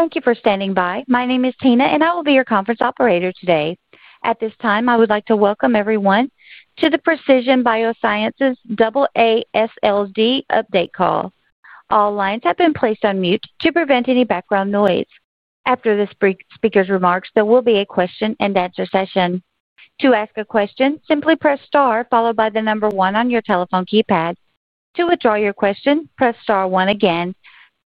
Thank you for standing by. My name is Tina, and I will be your conference operator today. At this time, I would like to Welcome Everyone to the Precision BioSciences AASLD Update Call. All lines have been placed on mute to prevent any background noise. After this speaker's remarks, there will be a question-and-answer session. To ask a question, simply press star followed by the number one on your telephone keypad. To withdraw your question, press star one again.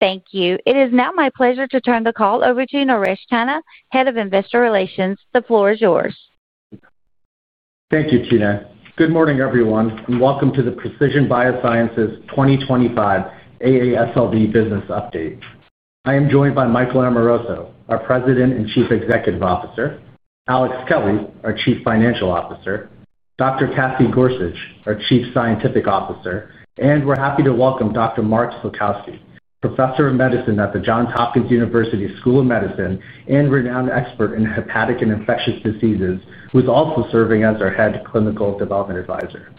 Thank you. It is now my pleasure to turn the call over to Naresh Tanna, Head of Investor Relations. The floor is yours. Thank you, Tina. Good morning, everyone, and welcome to the Precision BioSciences 2025 AASLD business update. I am joined by Michael Amoroso, our President and Chief Executive Officer; Alex Kelly, our Chief Financial Officer; Dr. Cassie Gorsuch, our Chief Scientific Officer; and we are happy to welcome Dr. Mark Sulkowski, Professor of Medicine at the Johns Hopkins University School of Medicine and renowned expert in hepatic and infectious diseases, who is also serving as our Head Clinical Development Advisor.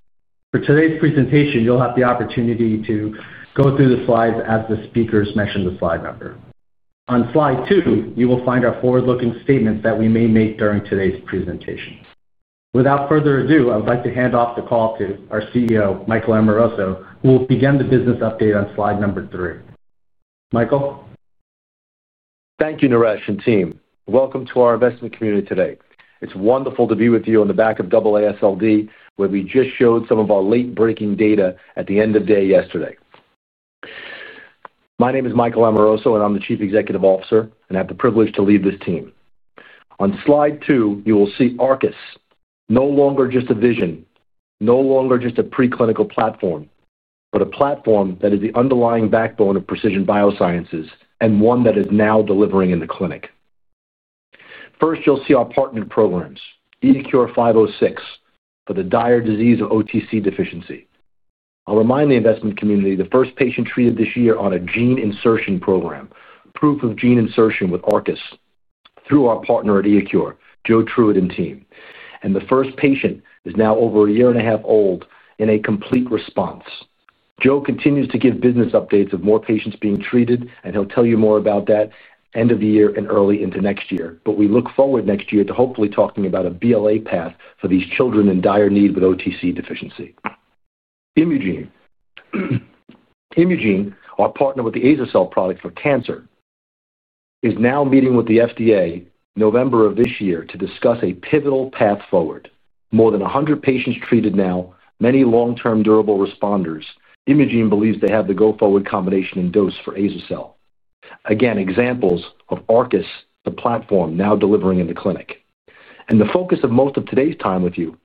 For today's presentation, you will have the opportunity to go through the slides as the speakers mention the slide number. On slide two, you will find our forward-looking statements that we may make during today's presentation. Without further ado, I would like to hand off the call to our CEO, Michael Amoroso, who will begin the business update on slide number three. Michael. Thank you, Naresh and team. Welcome to our investment community today. It's wonderful to be with you on the back of AASLD, where we just showed some of our late-breaking data at the end of day yesterday. My name is Michael Amoroso, and I'm the Chief Executive Officer, and I have the privilege to lead this team. On slide two, you will see Arcus, no longer just a vision, no longer just a preclinical platform, but a platform that is the underlying backbone of Precision BioSciences and one that is now delivering in the clinic. First, you'll see our partnered programs, iECURE 506 for the dire disease of OTC deficiency. I'll remind the investment community, the first patient treated this year on a gene insertion program, proof of gene insertion with Arcus, through our partner at iECURE, Joe Truitt and team. The first patient is now over a year and a half old in a complete response. Joe continues to give business updates of more patients being treated, and he'll tell you more about that end of the year and early into next year. We look forward next year to hopefully talking about a BLA path for these children in dire need with OTC deficiency. Immugene, our partner with the AzoCell product for cancer, is now meeting with the FDA in November of this year to discuss a pivotal path forward. More than 100 patients treated now, many long-term durable responders. Immugene believes they have the go-forward combination and dose for AzoCell. Again, examples of Arcus, the platform now delivering in the clinic. The focus of most of today's time with you,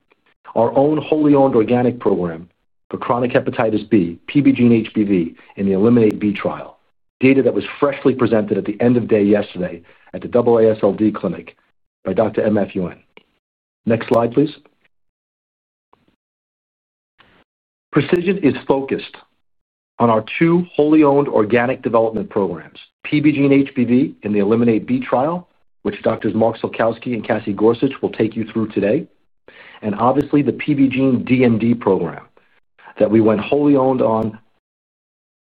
our own wholly owned organic program for chronic hepatitis B, PBGENE-HBV, and the Eliminate B trial, data that was freshly presented at the end of day yesterday at the AASLD clinic by Dr. M. F. Yuen. Next slide, please. Precision is focused on our two wholly owned organic development programs, PBGENE-HBV, and the Eliminate B trial, which Doctors Mark Sulkowski and Cassie Gorsuch will take you through today. Obviously, the PBGENE-DMD program that we went wholly owned on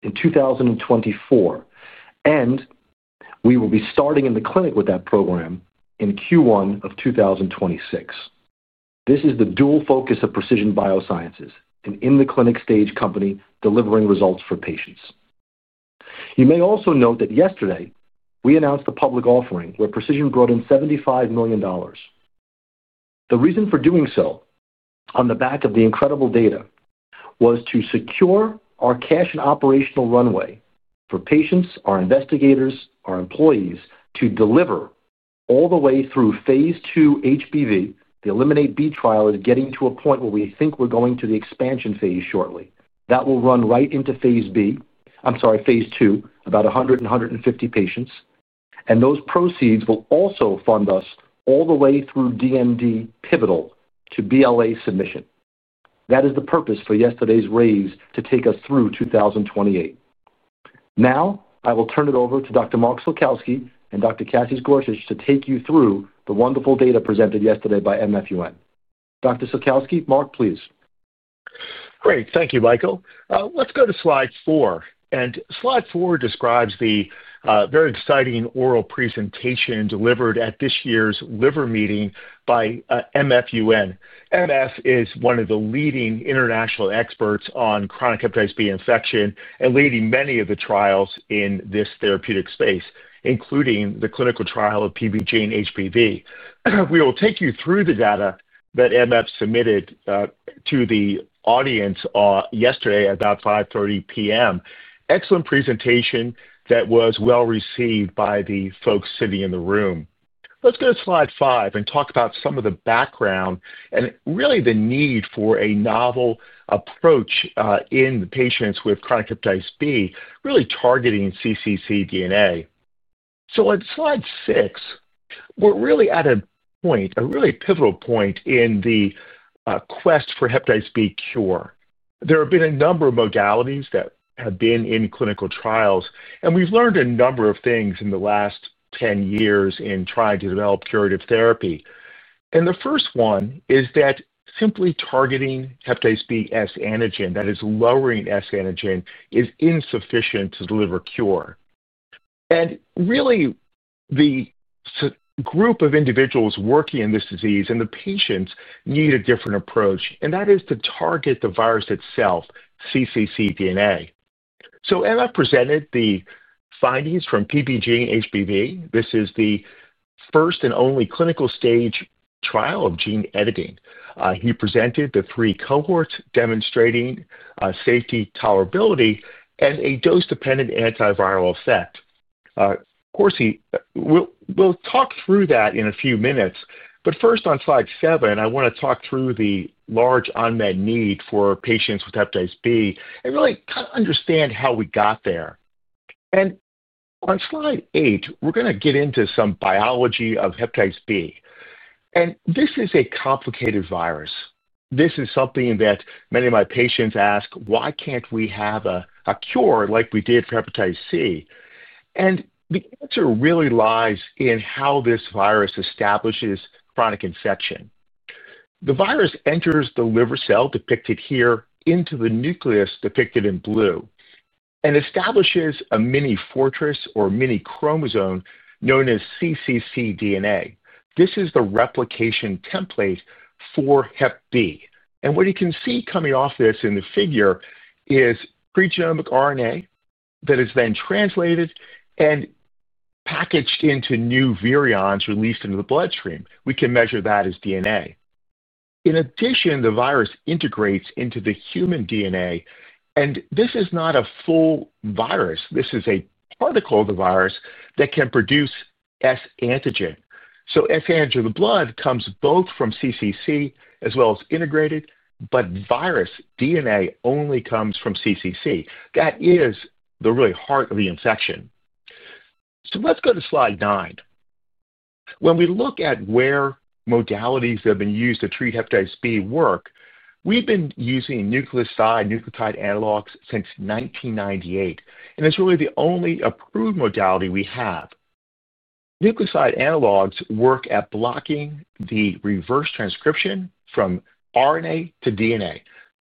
in 2024, and we will be starting in the clinic with that program in Q1 of 2026. This is the dual focus of Precision BioSciences, an in-the-clinic stage company delivering results for patients. You may also note that yesterday we announced the public offering where Precision brought in $75 million. The reason for doing so on the back of the incredible data was to secure our cash and operational runway for patients, our investigators, our employees to deliver all the way through phase II HBV. The Eliminate B trial is getting to a point where we think we're going to the expansion phase shortly. That will run right into phase II, about 100-150 patients. And those proceeds will also fund us all the way through DMD pivotal to BLA submission. That is the purpose for yesterday's raise to take us through 2028. Now, I will turn it over to Dr. Mark Sulkowski and Dr. Cassie Gorsuch to take you through the wonderful data presented yesterday by M. F. Yuen. Dr. Sulkowski, Mark, please. Great. Thank you, Michael. Let's go to slide four. Slide four describes the very exciting oral presentation delivered at this year's Liver Meeting by M. F. Yuen. M. F. is one of the leading international experts on chronic hepatitis B infection and leading many of the trials in this therapeutic space, including the clinical trial of PBGENE-HBV. We will take you through the data that M. F. submitted to the audience yesterday at about 5:30 P.M. Excellent presentation that was well received by the folks sitting in the room. Let's go to slide five and talk about some of the background and really the need for a novel approach in patients with chronic hepatitis B, really targeting cccDNA. On slide six, we're really at a point, a really pivotal point in the quest for hepatitis B cure. There have been a number of modalities that have been in clinical trials, and we've learned a number of things in the last 10 years in trying to develop curative therapy. The first one is that simply targeting hepatitis B surface antigen, that is lowering S antigen, is insufficient to deliver cure. Really, the group of individuals working in this disease and the patients need a different approach, and that is to target the virus itself, cccDNA. M. F. Yuen presented the findings from PBGENE-HBV. This is the first and only clinical stage trial of gene editing. He presented the three cohorts demonstrating safety, tolerability, and a dose-dependent antiviral effect. Of course, we'll talk through that in a few minutes, but first, on slide seven, I want to talk through the large unmet need for patients with hepatitis B and really kind of understand how we got there. On slide eight, we're going to get into some biology of hepatitis B. This is a complicated virus. This is something that many of my patients ask, "Why can't we have a cure like we did for hepatitis C?" The answer really lies in how this virus establishes chronic infection. The virus enters the liver cell depicted here into the nucleus depicted in blue and establishes a mini fortress or mini chromosome known as cccDNA. This is the replication template for Hep B. What you can see coming off this in the figure is pregenomic RNA that is then translated and packaged into new virions released into the bloodstream. We can measure that as DNA. In addition, the virus integrates into the human DNA, and this is not a full virus. This is a particle of the virus that can produce S antigen. S antigen in the blood comes both from cccDNA as well as integrated, but virus DNA only comes from cccDNA. That is the really heart of the infection. Let's go to slide nine. When we look at where modalities have been used to treat hepatitis B work, we've been using nucleoside nucleotide analogs since 1998, and it's really the only approved modality we have. Nucleoside analogs work at blocking the reverse transcription from RNA to DNA.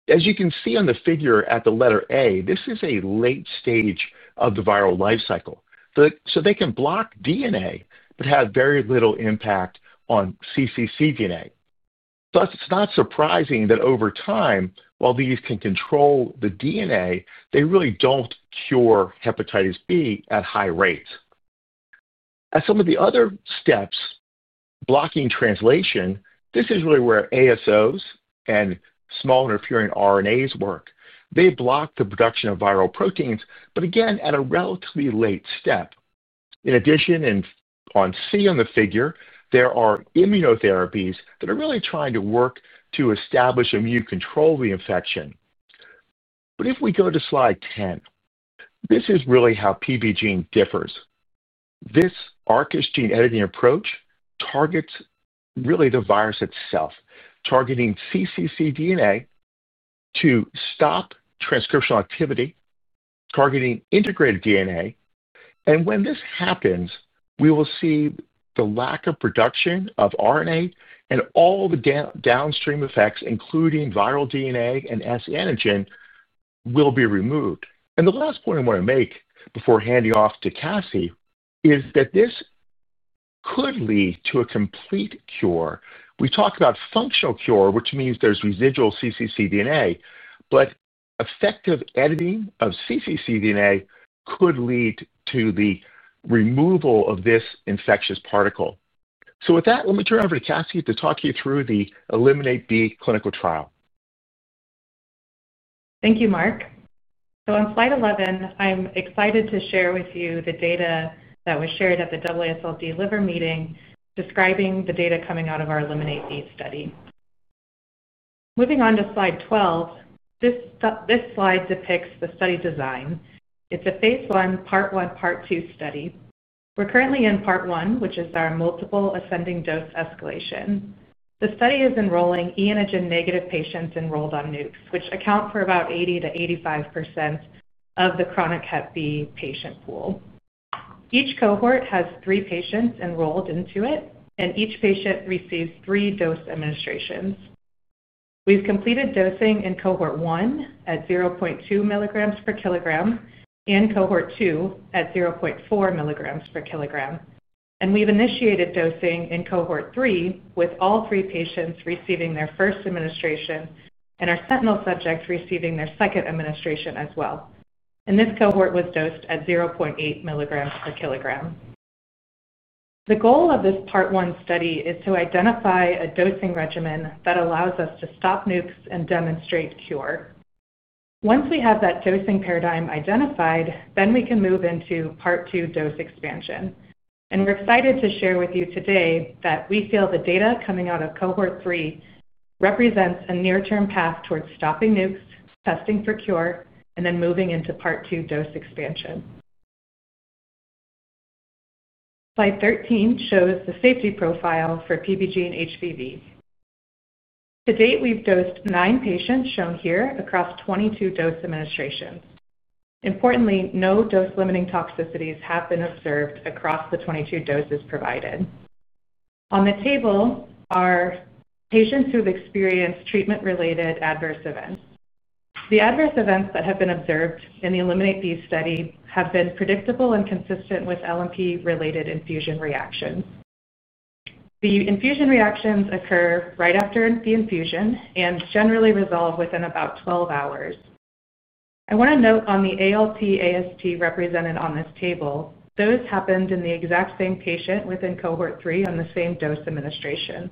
As you can see on the figure at the letter A, this is a late stage of the viral life cycle. They can block DNA but have very little impact on cccDNA. Thus, it's not surprising that over time, while these can control the DNA, they really don't cure hepatitis B at high rates. At some of the other steps, blocking translation, this is really where ASOs and small interfering RNAs work. They block the production of viral proteins, but again, at a relatively late step. In addition, and on C on the figure, there are immunotherapies that are really trying to work to establish immune control of the infection. If we go to slide 10, this is really how PBG differs. This Arcus gene editing approach targets really the virus itself, targeting cccDNA to stop transcriptional activity, targeting integrated DNA. When this happens, we will see the lack of production of RNA and all the downstream effects, including viral DNA and S antigen, will be removed. The last point I want to make before handing off to Cassie is that this could lead to a complete cure. We talk about functional cure, which means there's residual cccDNA, but effective editing of cccDNA could lead to the removal of this infectious particle. With that, let me turn over to Cassie to talk you through the Eliminate B clinical trial. Thank you, Mark. On slide 11, I'm excited to share with you the data that was shared at the AASLD Liver Meeting describing the data coming out of our Eliminate B study. Moving on to slide 12, this slide depicts the study design. It's a phase I, part I, part II study. We're currently in part I, which is our multiple ascending dose escalation. The study is enrolling e-antigen negative patients enrolled on nukes, which account for about 80% to 85% of the chronic Hep B patient pool. Each cohort has three patients enrolled into it, and each patient receives three dose administrations. We've completed dosing in cohort one at 0.2 milligrams per kilogram and cohort two at 0.4 milligrams per kilogram. We've initiated dosing in cohort three with all three patients receiving their first administration and our sentinel subject receiving their second administration as well. This cohort was dosed at 0.8 milligrams per kilogram. The goal of this part one study is to identify a dosing regimen that allows us to stop nukes and demonstrate cure. Once we have that dosing paradigm identified, we can move into part two dose expansion. We are excited to share with you today that we feel the data coming out of cohort three represents a near-term path towards stopping nukes, testing for cure, and then moving into part two dose expansion. Slide 13 shows the safety profile for PBGENE-HBV. To date, we have dosed nine patients shown here across 22 dose administrations. Importantly, no dose-limiting toxicities have been observed across the 22 doses provided. On the table are patients who have experienced treatment-related adverse events. The adverse events that have been observed in the Eliminate B study have been predictable and consistent with LNP-related infusion reactions. The infusion reactions occur right after the infusion and generally resolve within about 12 hours. I want to note on the ALT AST represented on this table, those happened in the exact same patient within cohort three on the same dose administration.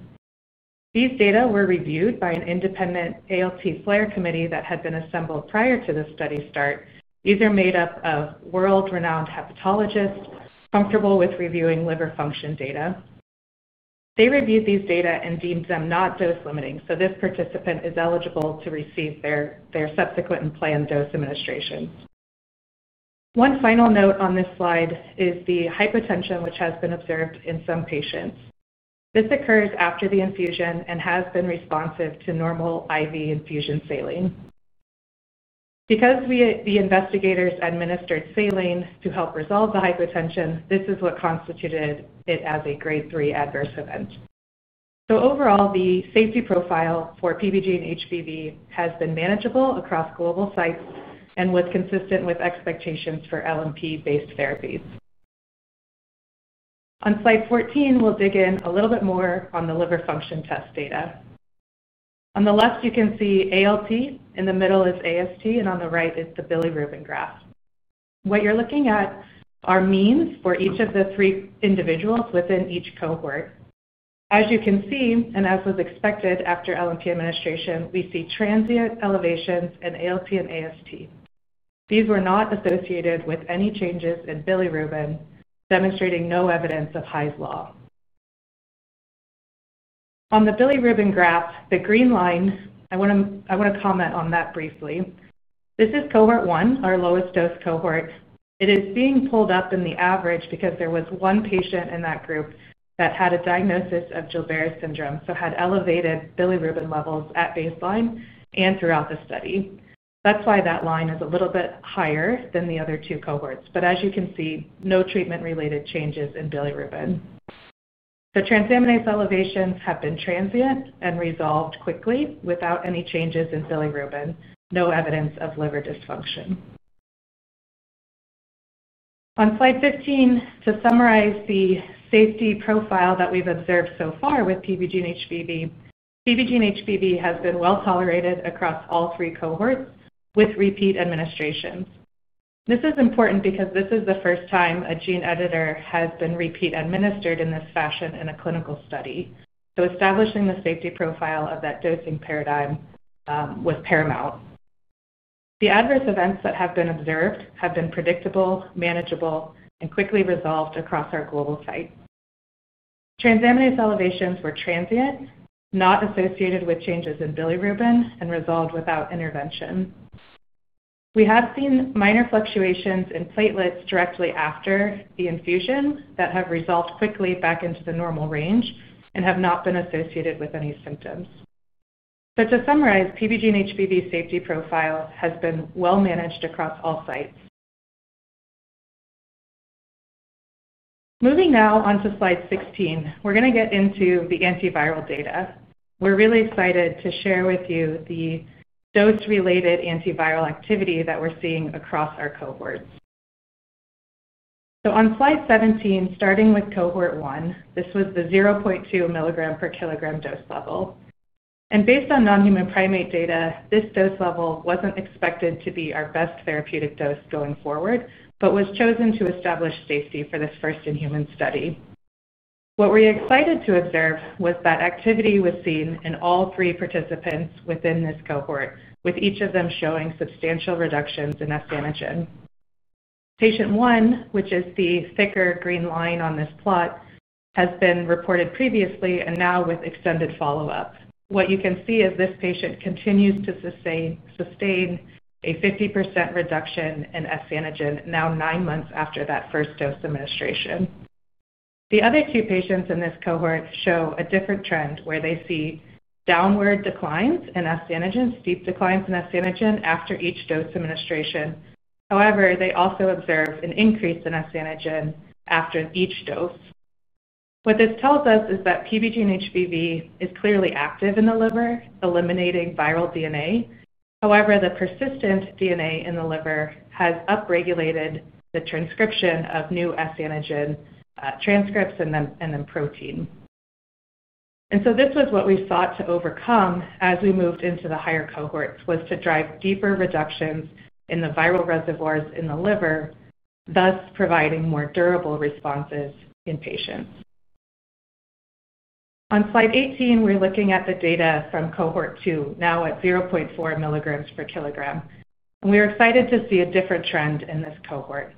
These data were reviewed by an independent ALT FLAIR committee that had been assembled prior to the study start. These are made up of world-renowned hepatologists comfortable with reviewing liver function data. They reviewed these data and deemed them not dose-limiting, so this participant is eligible to receive their subsequent and planned dose administrations. One final note on this slide is the hypotension, which has been observed in some patients. This occurs after the infusion and has been responsive to normal IV infusion saline. Because the investigators administered saline to help resolve the hypotension, this is what constituted it as a grade three adverse event. Overall, the safety profile for PBGENE-HBV has been manageable across global sites and was consistent with expectations for LNP-based therapies. On slide 14, we'll dig in a little bit more on the liver function test data. On the left, you can see ALT, in the middle is AST, and on the right is the bilirubin graph. What you're looking at are means for each of the three individuals within each cohort. As you can see, and as was expected after LNP administration, we see transient elevations in ALT and AST. These were not associated with any changes in bilirubin, demonstrating no evidence of Hy's law. On the bilirubin graph, the green line, I want to comment on that briefly. This is cohort one, our lowest dose cohort. It is being pulled up in the average because there was one patient in that group that had a diagnosis of Gilbert's syndrome, so had elevated bilirubin levels at baseline and throughout the study. That is why that line is a little bit higher than the other two cohorts. As you can see, no treatment-related changes in bilirubin. The transaminase elevations have been transient and resolved quickly without any changes in bilirubin, no evidence of liver dysfunction. On slide 15, to summarize the safety profile that we have observed so far with PBGENE-HBV, PBGENE-HBV has been well tolerated across all three cohorts with repeat administrations. This is important because this is the first time a gene editor has been repeat administered in this fashion in a clinical study. Establishing the safety profile of that dosing paradigm was paramount. The adverse events that have been observed have been predictable, manageable, and quickly resolved across our global site. Transaminase elevations were transient, not associated with changes in bilirubin, and resolved without intervention. We have seen minor fluctuations in platelets directly after the infusion that have resolved quickly back into the normal range and have not been associated with any symptoms. To summarize, PBGENE-HBV safety profile has been well managed across all sites. Moving now on to slide 16, we're going to get into the antiviral data. We're really excited to share with you the dose-related antiviral activity that we're seeing across our cohorts. On slide 17, starting with cohort one, this was the 0.2 mg per kg dose level. Based on non-human primate data, this dose level was not expected to be our best therapeutic dose going forward, but was chosen to establish safety for this first in-human study. What we are excited to observe was that activity was seen in all three participants within this cohort, with each of them showing substantial reductions in S antigen. Patient one, which is the thicker green line on this plot, has been reported previously and now with extended follow-up. What you can see is this patient continues to sustain a 50% reduction in S antigen, now nine months after that first dose administration. The other two patients in this cohort show a different trend where they see downward declines in S antigen, steep declines in S antigen after each dose administration. However, they also observe an increase in S antigen after each dose. What this tells us is that PBGENE-HBV is clearly active in the liver, eliminating viral DNA. However, the persistent DNA in the liver has upregulated the transcription of new S antigen transcripts and then protein. This was what we sought to overcome as we moved into the higher cohorts, to drive deeper reductions in the viral reservoirs in the liver, thus providing more durable responses in patients. On slide 18, we are looking at the data from cohort two, now at 0.4 mg per kg. We are excited to see a different trend in this cohort.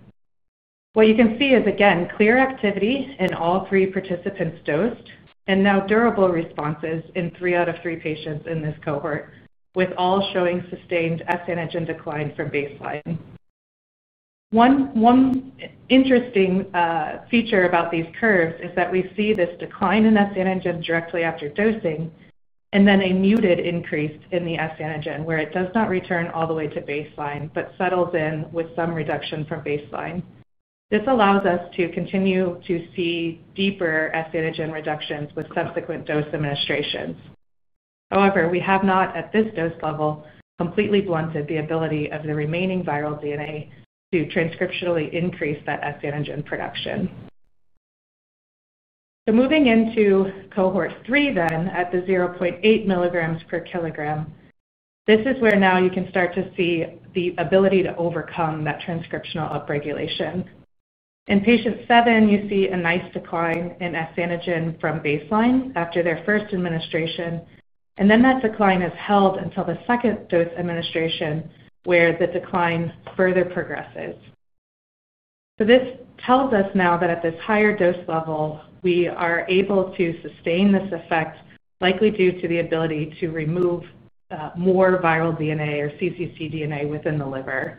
What you can see is, again, clear activity in all three participants dosed and now durable responses in three out of three patients in this cohort, with all showing sustained S antigen decline from baseline. One interesting feature about these curves is that we see this decline in S antigen directly after dosing and then a muted increase in the S antigen, where it does not return all the way to baseline but settles in with some reduction from baseline. This allows us to continue to see deeper S antigen reductions with subsequent dose administrations. However, we have not, at this dose level, completely blunted the ability of the remaining viral DNA to transcriptionally increase that S antigen production. Moving into cohort three then at the 0.8 mg per kg, this is where now you can start to see the ability to overcome that transcriptional upregulation. In patient seven, you see a nice decline in S antigen from baseline after their first administration, and then that decline is held until the second dose administration where the decline further progresses. This tells us now that at this higher dose level, we are able to sustain this effect, likely due to the ability to remove more viral DNA or cccDNA within the liver.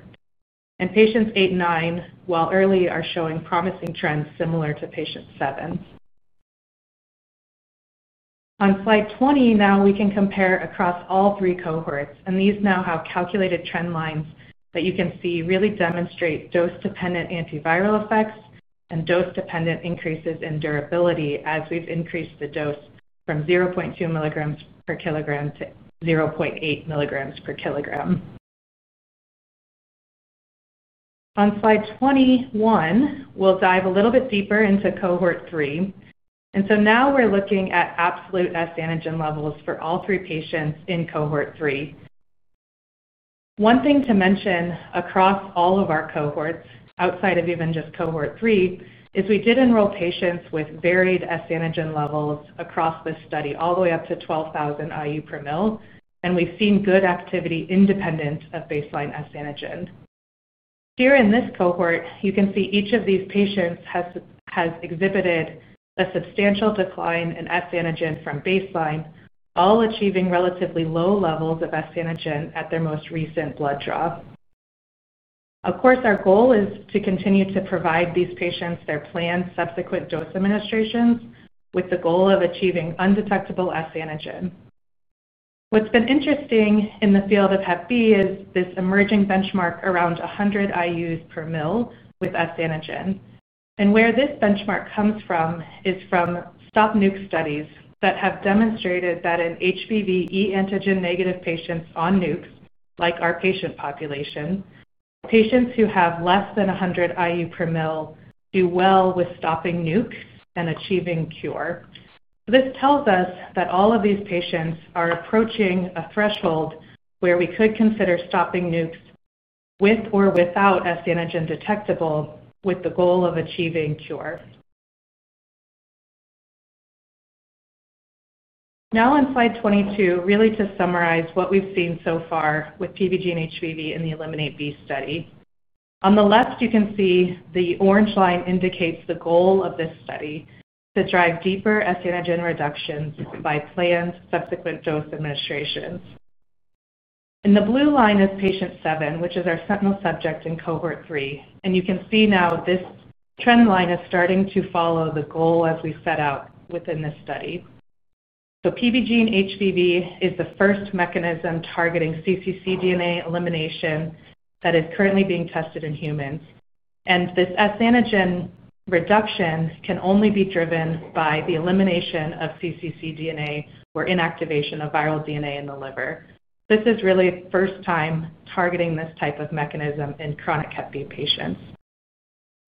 Patients eight and nine, while early, are showing promising trends similar to patient seven. On slide 20, now we can compare across all three cohorts, and these now have calculated trend lines that you can see really demonstrate dose-dependent antiviral effects and dose-dependent increases in durability as we have increased the dose from 0.2 milligrams per kilogram to 0.8 milligrams per kilogram. On slide 21, we will dive a little bit deeper into cohort three. Now we are looking at absolute S antigen levels for all three patients in cohort three. One thing to mention across all of our cohorts outside of even just cohort three is we did enroll patients with varied S antigen levels across this study all the way up to 12,000 IU per ml, and we've seen good activity independent of baseline S antigen. Here in this cohort, you can see each of these patients has exhibited a substantial decline in S antigen from baseline, all achieving relatively low levels of S antigen at their most recent blood draw. Of course, our goal is to continue to provide these patients their planned subsequent dose administrations with the goal of achieving undetectable S antigen. What's been interesting in the field of Hep B is this emerging benchmark around 100 IU per ml with S antigen. Where this benchmark comes from is from stop-nuke studies that have demonstrated that in HBV e-antigen negative patients on nukes, like our patient population, patients who have less than 100 IU per ml do well with stopping nukes and achieving cure. This tells us that all of these patients are approaching a threshold where we could consider stopping nukes with or without S antigen detectable with the goal of achieving cure. Now on slide 22, really to summarize what we've seen so far with PBGENE-HBV in the Eliminate B study. On the left, you can see the orange line indicates the goal of this study to drive deeper S antigen reductions by planned subsequent dose administrations. The blue line is patient seven, which is our sentinel subject in cohort three. You can see now this trend line is starting to follow the goal as we set out within this study. PBGENE-HBV is the first mechanism targeting cccDNA elimination that is currently being tested in humans. This S antigen reduction can only be driven by the elimination of cccDNA or inactivation of viral DNA in the liver. This is really the first time targeting this type of mechanism in chronic hep B patients.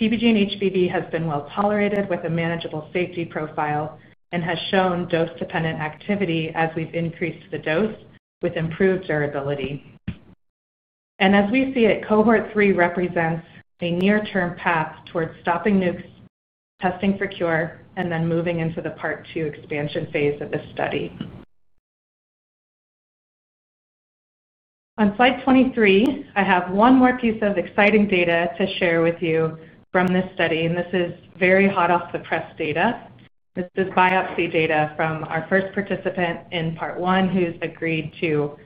PBGENE-HBV has been well tolerated with a manageable safety profile and has shown dose-dependent activity as we've increased the dose with improved durability. As we see it, cohort three represents a near-term path towards stopping nukes, testing for cure, and then moving into the part two expansion phase of this study. On slide 23, I have one more piece of exciting data to share with you from this study, and this is very hot off the press data. This is biopsy data from our first participant in part one who's agreed to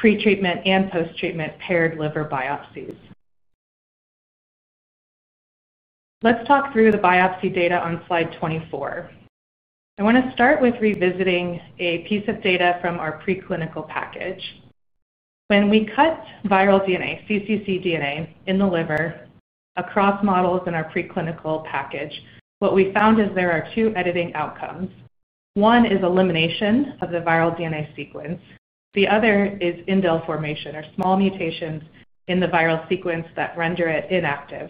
pretreatment and post-treatment paired liver biopsies. Let's talk through the biopsy data on slide 24. I want to start with revisiting a piece of data from our preclinical package. When we cut viral DNA, cccDNA in the liver across models in our preclinical package, what we found is there are two editing outcomes. One is elimination of the viral DNA sequence. The other is indel formation, or small mutations in the viral sequence that render it inactive.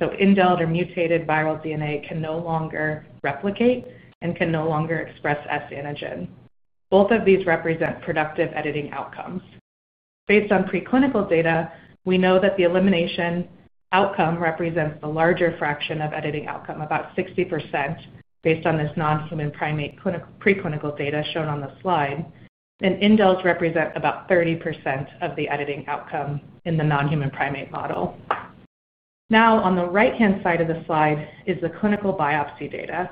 So indel or mutated viral DNA can no longer replicate and can no longer express S antigen. Both of these represent productive editing outcomes. Based on preclinical data, we know that the elimination outcome represents the larger fraction of editing outcome, about 60%, based on this non-human primate preclinical data shown on the slide. Indels represent about 30% of the editing outcome in the non-human primate model. Now, on the right-hand side of the slide is the clinical biopsy data.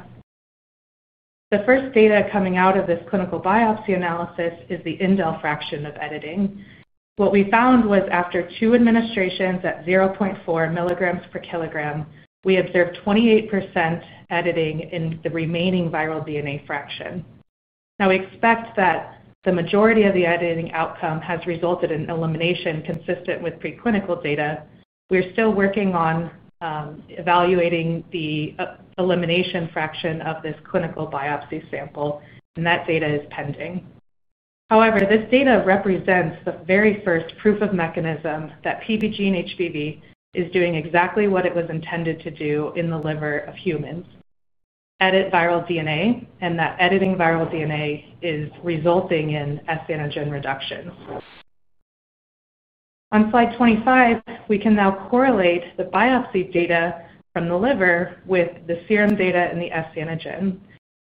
The first data coming out of this clinical biopsy analysis is the indel fraction of editing. What we found was after two administrations at 0.4 milligrams per kilogram, we observed 28% editing in the remaining viral DNA fraction. Now, we expect that the majority of the editing outcome has resulted in elimination consistent with preclinical data. We're still working on evaluating the elimination fraction of this clinical biopsy sample, and that data is pending. However, this data represents the very first proof of mechanism that PBGENE-HBV is doing exactly what it was intended to do in the liver of humans: edit viral DNA, and that editing viral DNA is resulting in S antigen reductions. On slide 25, we can now correlate the biopsy data from the liver with the serum data and the S antigen.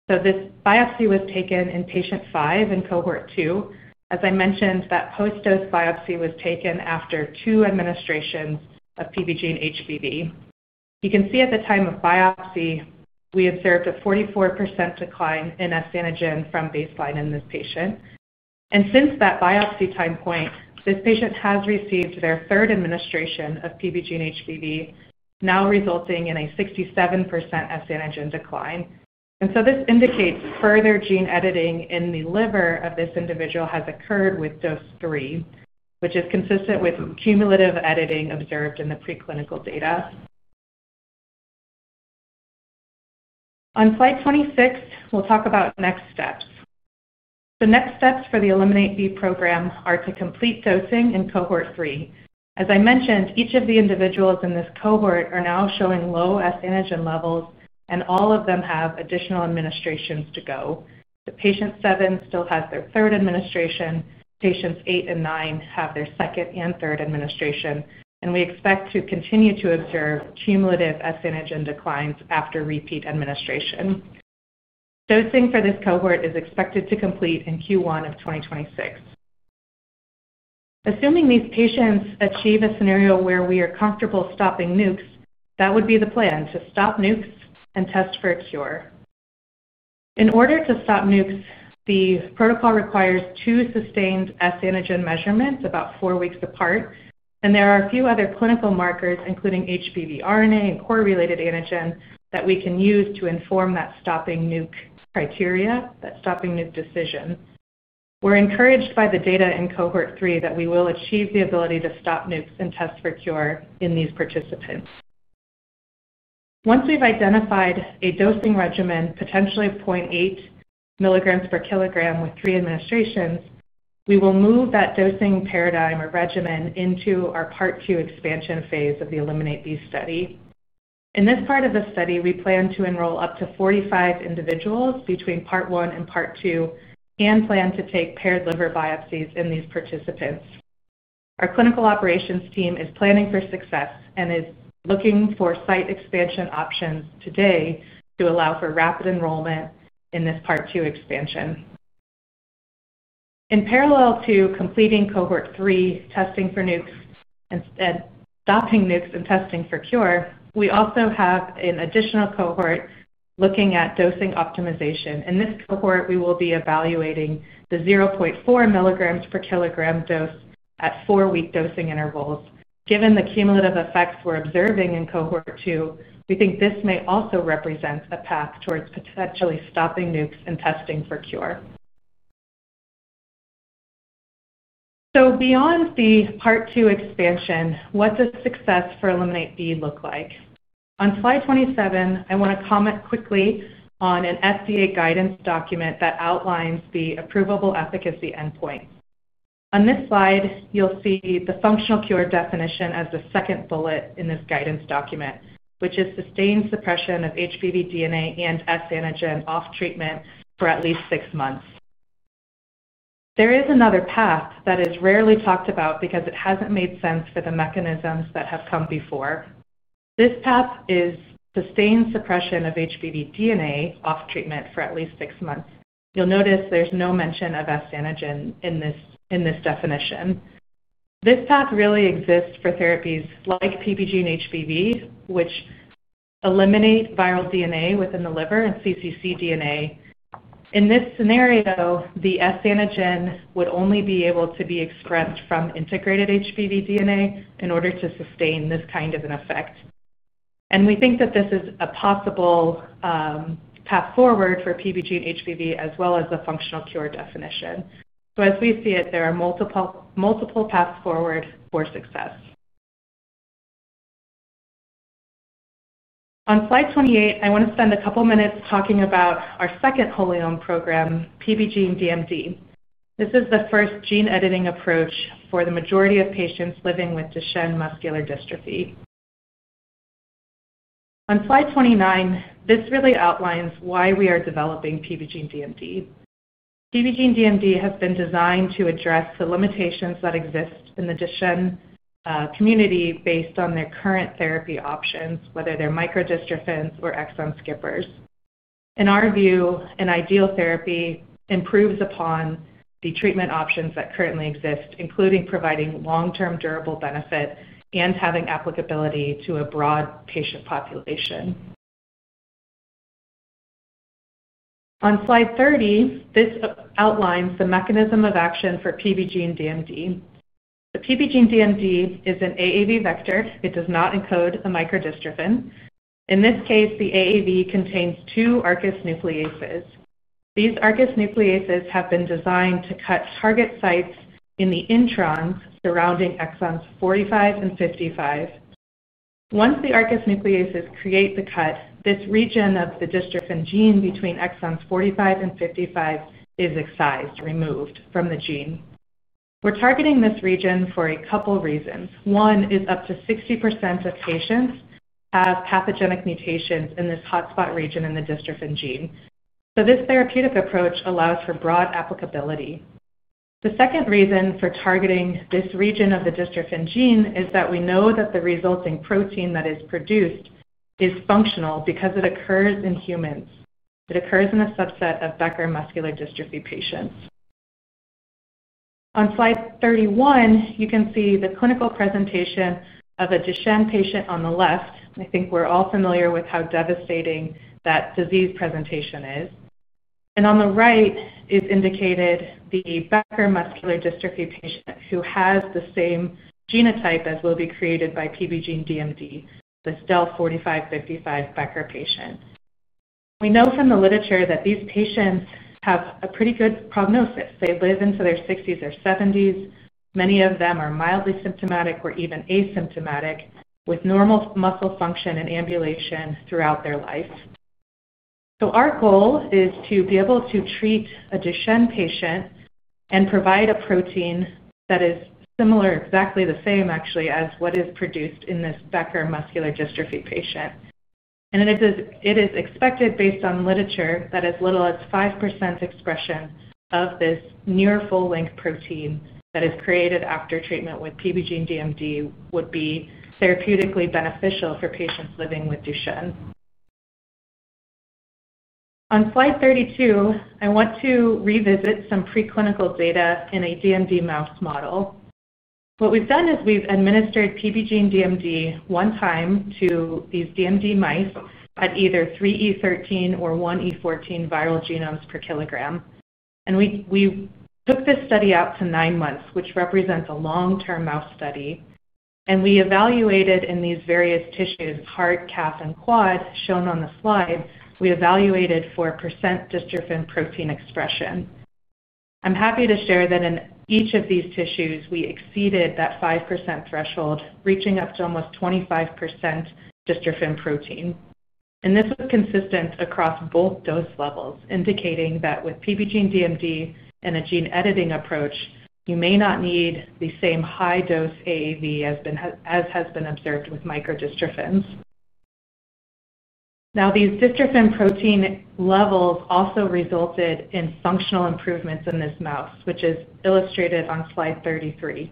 This biopsy was taken in patient five in cohort two. As I mentioned, that post-dose biopsy was taken after two administrations of PBGENE-HBV. You can see at the time of biopsy, we observed a 44% decline in S antigen from baseline in this patient. Since that biopsy time point, this patient has received their third administration of PBGENE-HBV, now resulting in a 67% S antigen decline. This indicates further gene editing in the liver of this individual has occurred with dose three, which is consistent with cumulative editing observed in the preclinical data. On slide 26, we will talk about next steps. The next steps for the Eliminate B program are to complete dosing in cohort three. As I mentioned, each of the individuals in this cohort are now showing low S antigen levels, and all of them have additional administrations to go. Patient seven still has their third administration. Patients eight and nine have their second and third administration. We expect to continue to observe cumulative S antigen declines after repeat administration. Dosing for this cohort is expected to complete in Q1 of 2026. Assuming these patients achieve a scenario where we are comfortable stopping nukes, that would be the plan: to stop nukes and test for a cure. In order to stop nukes, the protocol requires two sustained S antigen measurements about four weeks apart. There are a few other clinical markers, including HBV RNA and core-related antigen, that we can use to inform that stopping nuke criteria, that stopping nuke decision. We're encouraged by the data in cohort three that we will achieve the ability to stop nukes and test for cure in these participants. Once we've identified a dosing regimen, potentially 0.8 mg per kg with three administrations, we will move that dosing paradigm or regimen into our part two expansion phase of the Eliminate B study. In this part of the study, we plan to enroll up to 45 individuals between part one and part two and plan to take paired liver biopsies in these participants. Our clinical operations team is planning for success and is looking for site expansion options today to allow for rapid enrollment in this part two expansion. In parallel to completing cohort three, testing for nukes, and stopping nukes and testing for cure, we also have an additional cohort looking at dosing optimization. In this cohort, we will be evaluating the 0.4 milligrams per kilogram dose at four-week dosing intervals. Given the cumulative effects we're observing in cohort two, we think this may also represent a path towards potentially stopping nukes and testing for cure. Beyond the part two expansion, what does success for Eliminate B look like? On slide 27, I want to comment quickly on an FDA guidance document that outlines the approvable efficacy endpoint. On this slide, you'll see the functional cure definition as the second bullet in this guidance document, which is sustained suppression of HBV DNA and S antigen off treatment for at least six months. There is another path that is rarely talked about because it hasn't made sense for the mechanisms that have come before. This path is sustained suppression of HBV DNA off treatment for at least six months. You'll notice there's no mention of S antigen in this definition. This path really exists for therapies like PBGENE-HBV, which eliminate viral DNA within the liver and cccDNA. In this scenario, the S antigen would only be able to be expressed from integrated HBV DNA in order to sustain this kind of an effect. We think that this is a possible path forward for PBGENE-HBV as well as the functional cure definition. As we see it, there are multiple paths forward for success. On slide 28, I want to spend a couple of minutes talking about our second wholly owned program, PBGENE-DMD. This is the first gene editing approach for the majority of patients living with Duchenne muscular dystrophy. On slide 29, this really outlines why we are developing PBGENE-DMD. PBGENE-DMD has been designed to address the limitations that exist in the Duchenne community based on their current therapy options, whether they're microdystrophins or exon skippers. In our view, an ideal therapy improves upon the treatment options that currently exist, including providing long-term durable benefit and having applicability to a broad patient population. On slide 30, this outlines the mechanism of action for PBGENE-DMD. The PBGENE-DMD is an AAV vector. It does not encode a microdystrophin. In this case, the AAV contains two Arcus nucleases. These Arcus nucleases have been designed to cut target sites in the introns surrounding exons 45 and 55. Once the Arcus nucleases create the cut, this region of the dystrophin gene between exons 45 and 55 is excised, removed from the gene. We're targeting this region for a couple of reasons. One is up to 60% of patients have pathogenic mutations in this hotspot region in the dystrophin gene. This therapeutic approach allows for broad applicability. The second reason for targeting this region of the dystrophin gene is that we know that the resulting protein that is produced is functional because it occurs in humans. It occurs in a subset of Becker muscular dystrophy patients. On slide 31, you can see the clinical presentation of a Duchenne patient on the left. I think we're all familiar with how devastating that disease presentation is. On the right is indicated the Becker muscular dystrophy patient who has the same genotype as will be created by PBGENE-DMD, this del 4555 Becker patient. We know from the literature that these patients have a pretty good prognosis. They live into their 60s or 70s. Many of them are mildly symptomatic or even asymptomatic, with normal muscle function and ambulation throughout their life. Our goal is to be able to treat a Duchenne patient and provide a protein that is similar, exactly the same actually, as what is produced in this Becker muscular dystrophy patient. It is expected, based on literature, that as little as 5% expression of this near full-length protein that is created after treatment with PBGENE-DMD would be therapeutically beneficial for patients living with Duchenne. On slide 32, I want to revisit some preclinical data in a DMD mouse model. What we've done is we've administered PBGENE-DMD one time to these DMD mice at either 3E13 or 1E14 viral genomes per kilogram. We took this study out to nine months, which represents a long-term mouse study. We evaluated in these various tissues, heart, calf, and quad, shown on the slide, we evaluated for % dystrophin protein expression. I'm happy to share that in each of these tissues, we exceeded that 5% threshold, reaching up to almost 25% dystrophin protein. This was consistent across both dose levels, indicating that with PBGENE-DMD and a gene editing approach, you may not need the same high-dose AAV as has been observed with microdystrophins. These dystrophin protein levels also resulted in functional improvements in this mouse, which is illustrated on slide 33.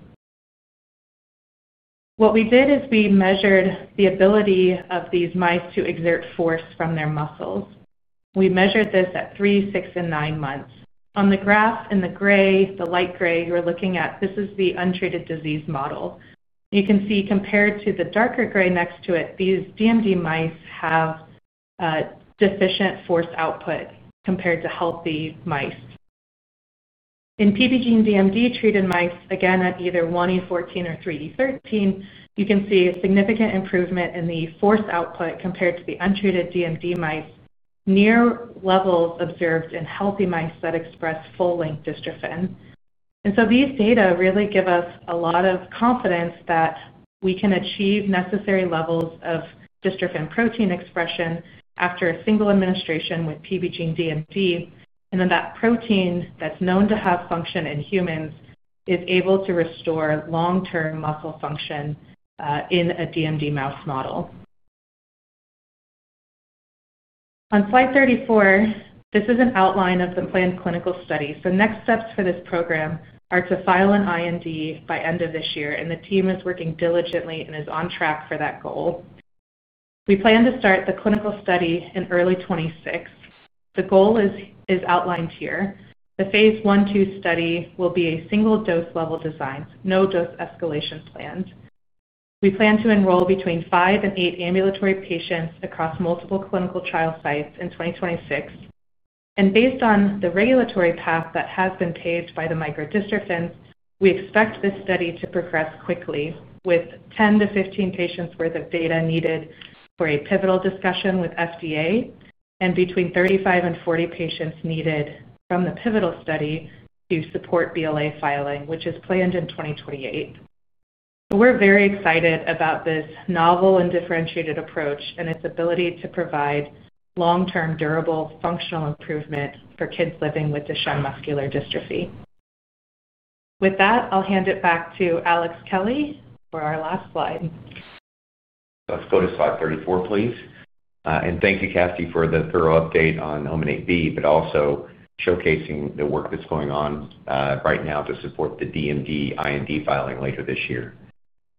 What we did is we measured the ability of these mice to exert force from their muscles. We measured this at three, six, and nine months. On the graph in the gray, the light gray you're looking at, this is the untreated disease model. You can see compared to the darker gray next to it, these DMD mice have deficient force output compared to healthy mice. In PBGENE-DMD treated mice, again, at either 1E14 or 3E13, you can see a significant improvement in the force output compared to the untreated DMD mice, near levels observed in healthy mice that express full-length dystrophin. These data really give us a lot of confidence that we can achieve necessary levels of dystrophin protein expression after a single administration with PBGENE-DMD. That protein that's known to have function in humans is able to restore long-term muscle function in a DMD mouse model. On slide 34, this is an outline of the planned clinical study. The next steps for this program are to file an IND by the end of this year. The team is working diligently and is on track for that goal. We plan to start the clinical study in early 2026. The goal is outlined here. The phase I/II study will be a single dose level design, no dose escalation planned. We plan to enroll between five and eight ambulatory patients across multiple clinical trial sites in 2026. Based on the regulatory path that has been paved by the microdystrophins, we expect this study to progress quickly, with 10 to 15 patients' worth of data needed for a pivotal discussion with FDA, and between 35-40 patients needed from the pivotal study to support BLA filing, which is planned in 2028. We are very excited about this novel and differentiated approach and its ability to provide long-term durable functional improvement for kids living with Duchenne muscular dystrophy. With that, I will hand it back to Alex Kelly for our last slide. Let's go to slide 34, please. Thank you, Cassie, for the thorough update on Eliminate B, but also showcasing the work that is going on right now to support the DMD IND filing later this year.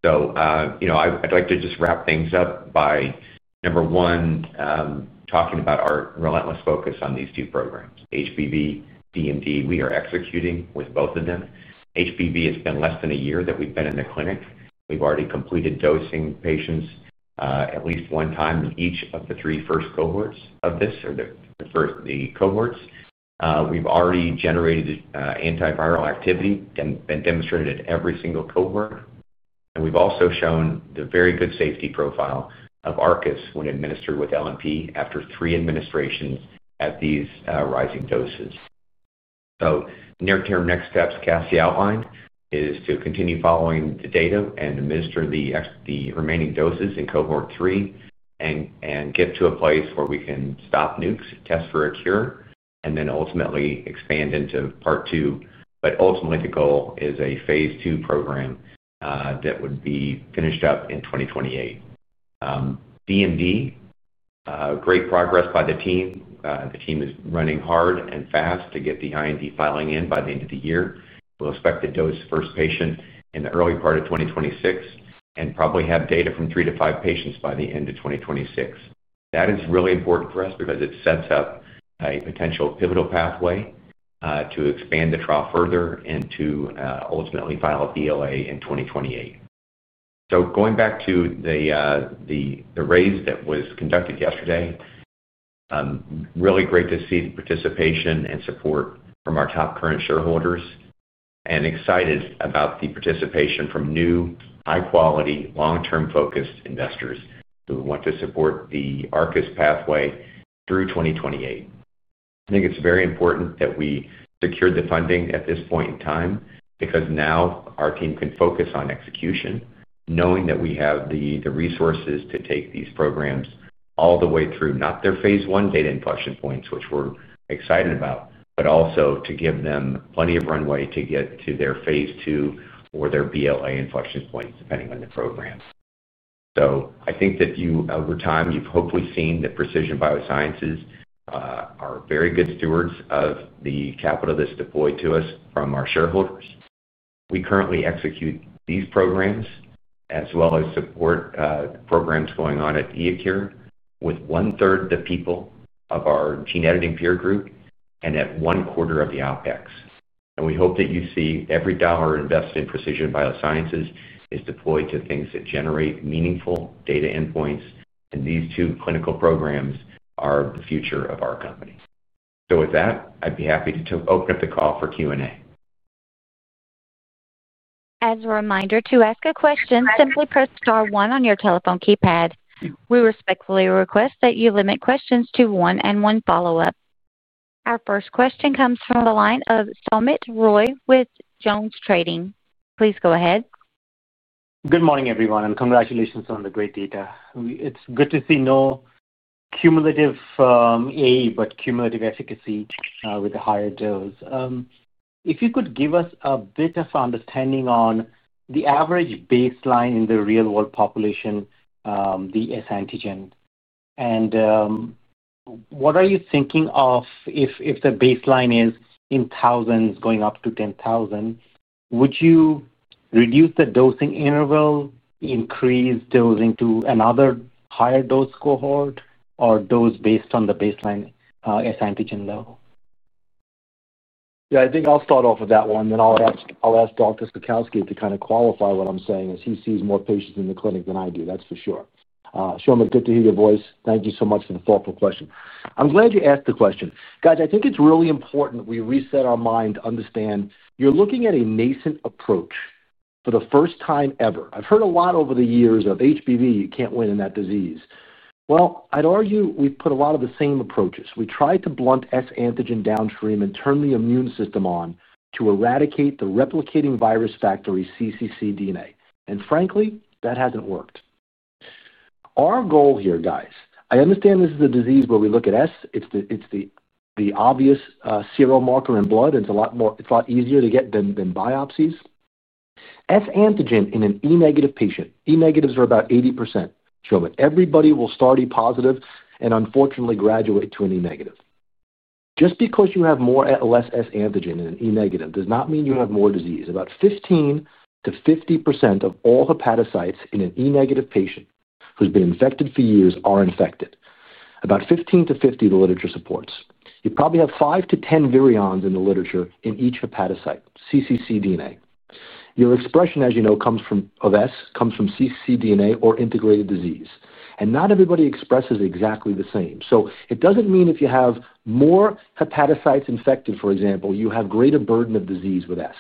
I would like to just wrap things up by, number one, talking about our relentless focus on these two programs. HBV, DMD, we are executing with both of them. HBV, it's been less than a year that we've been in the clinic. We've already completed dosing patients at least one time in each of the three first cohorts of this, or the first. The cohorts. We've already generated antiviral activity and demonstrated it in every single cohort. We've also shown the very good safety profile of Arcus when administered with LNP after three administrations at these rising doses. Near-term next steps, Cassie outlined, is to continue following the data and administer the remaining doses in cohort three and get to a place where we can stop nukes, test for a cure, and then ultimately expand into part two. Ultimately, the goal is a phase II program that would be finished up in 2028. DMD, great progress by the team. The team is running hard and fast to get the IND filing in by the end of the year. We'll expect to dose first patient in the early part of 2026 and probably have data from three to five patients by the end of 2026. That is really important for us because it sets up a potential pivotal pathway to expand the trial further and to ultimately file BLA in 2028. Going back to the raise that was conducted yesterday, really great to see the participation and support from our top current shareholders and excited about the participation from new, high-quality, long-term focused investors who want to support the Arcus pathway through 2028. I think it's very important that we secure the funding at this point in time because now our team can focus on execution, knowing that we have the resources to take these programs all the way through, not their phase I data inflection points, which we're excited about, but also to give them plenty of runway to get to their phase II or their BLA inflection points, depending on the program. I think that over time, you've hopefully seen that Precision BioSciences are very good stewards of the capital that's deployed to us from our shareholders. We currently execute these programs as well as support programs going on at iECURE with one-third the people of our gene editing peer group and at one-quarter of the OpEx. We hope that you see every dollar invested in Precision BioSciences is deployed to things that generate meaningful data endpoints. These two clinical programs are the future of our company. With that, I'd be happy to open up the call for Q&A. As a reminder, to ask a question, simply press star one on your telephone keypad. We respectfully request that you limit questions to one and one follow-up. Our first question comes from the line of Soumit Roy with JonesTrading. Please go ahead. Good morning, everyone, and congratulations on the great data. It's good to see no cumulative A, but cumulative efficacy with the higher dose. If you could give us a bit of understanding on the average baseline in the real-world population, the S antigen, and what are you thinking of if the baseline is in thousands going up to 10,000, would you reduce the dosing interval, increase dosing to another higher dose cohort, or dose based on the baseline S antigen level? Yeah, I think I'll start off with that one, and then I'll ask Dr. Sulkowski to kind of qualify what I'm saying as he sees more patients in the clinic than I do, that's for sure. Soumit, good to hear your voice. Thank you so much for the thoughtful question. I'm glad you asked the question. Guys, I think it's really important we reset our mind to understand you're looking at a nascent approach for the first time ever. I've heard a lot over the years of HBV, you can't win in that disease. I'd argue we've put a lot of the same approaches. We tried to blunt S antigen downstream and turn the immune system on to eradicate the replicating virus factory cccDNA. Frankly, that hasn't worked. Our goal here, guys, I understand this is a disease where we look at S, it's the obvious serial marker in blood, and it's a lot easier to get than biopsies. S antigen in an E negative patient, E negatives are about 80%, Soumit, everybody will start E positive and unfortunately graduate to an E negative. Just because you have more or less S antigen in an E negative does not mean you have more disease. About 15-50% of all hepatocytes in an E negative patient who's been infected for years are infected. About 15-50, the literature supports. You probably have 5-10 virions in the literature in each hepatocyte, cccDNA. Your expression, as you know, comes from S, comes from cccDNA or integrated disease. And not everybody expresses exactly the same. It does not mean if you have more hepatocytes infected, for example, you have greater burden of disease with S.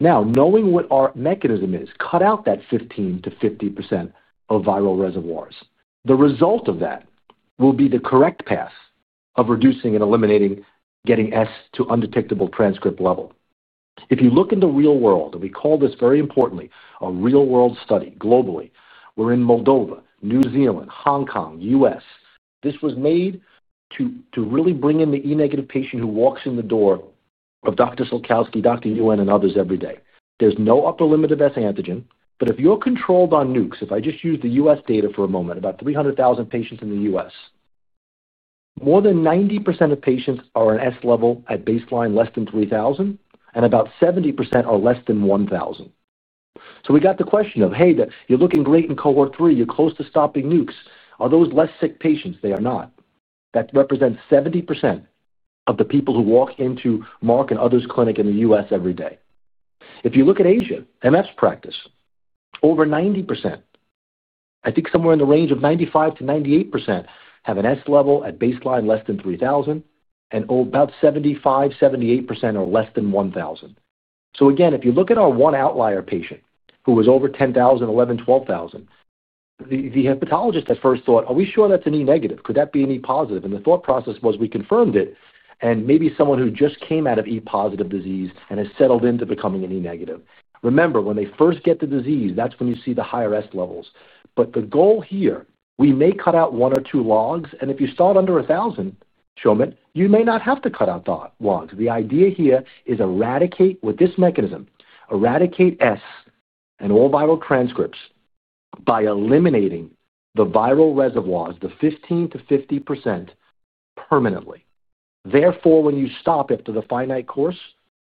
Now, knowing what our mechanism is, cut out that 15%-50% of viral reservoirs. The result of that will be the correct path of reducing and eliminating getting S to undetectable transcript level. If you look in the real world, and we call this very importantly a real-world study globally, we are in Moldova, New Zealand, Hong Kong, U.S. This was made to really bring in the E negative patient who walks in the door of Dr. Sulkowski, Dr. Yuen, and others every day. There's no upper limit of S antigen, but if you're controlled on nukes, if I just use the U.S. data for a moment, about 300,000 patients in the U.S., more than 90% of patients are an S level at baseline less than 3,000, and about 70% are less than 1,000. We got the question of, "Hey, you're looking great in cohort three, you're close to stopping nukes." Are those less sick patients? They are not. That represents 70% of the people who walk into Mark and others' clinic in the U.S. every day. If you look at Asia, MF's practice, over 90%, I think somewhere in the range of 95-98% have an S level at baseline less than 3,000, and about 75-78% are less than 1,000. If you look at our one outlier patient who was over 10,000, 11, 12,000, the hepatologist at first thought, "Are we sure that's an E negative? Could that be an E positive?" The thought process was we confirmed it, and maybe someone who just came out of E positive disease and has settled into becoming an E negative. Remember, when they first get the disease, that's when you see the higher S levels. The goal here, we may cut out one or two logs, and if you start under 1,000, Soumit, you may not have to cut out the logs. The idea here is eradicate with this mechanism, eradicate S and all viral transcripts by eliminating the viral reservoirs, the 15%-50% permanently. Therefore, when you stop after the finite course,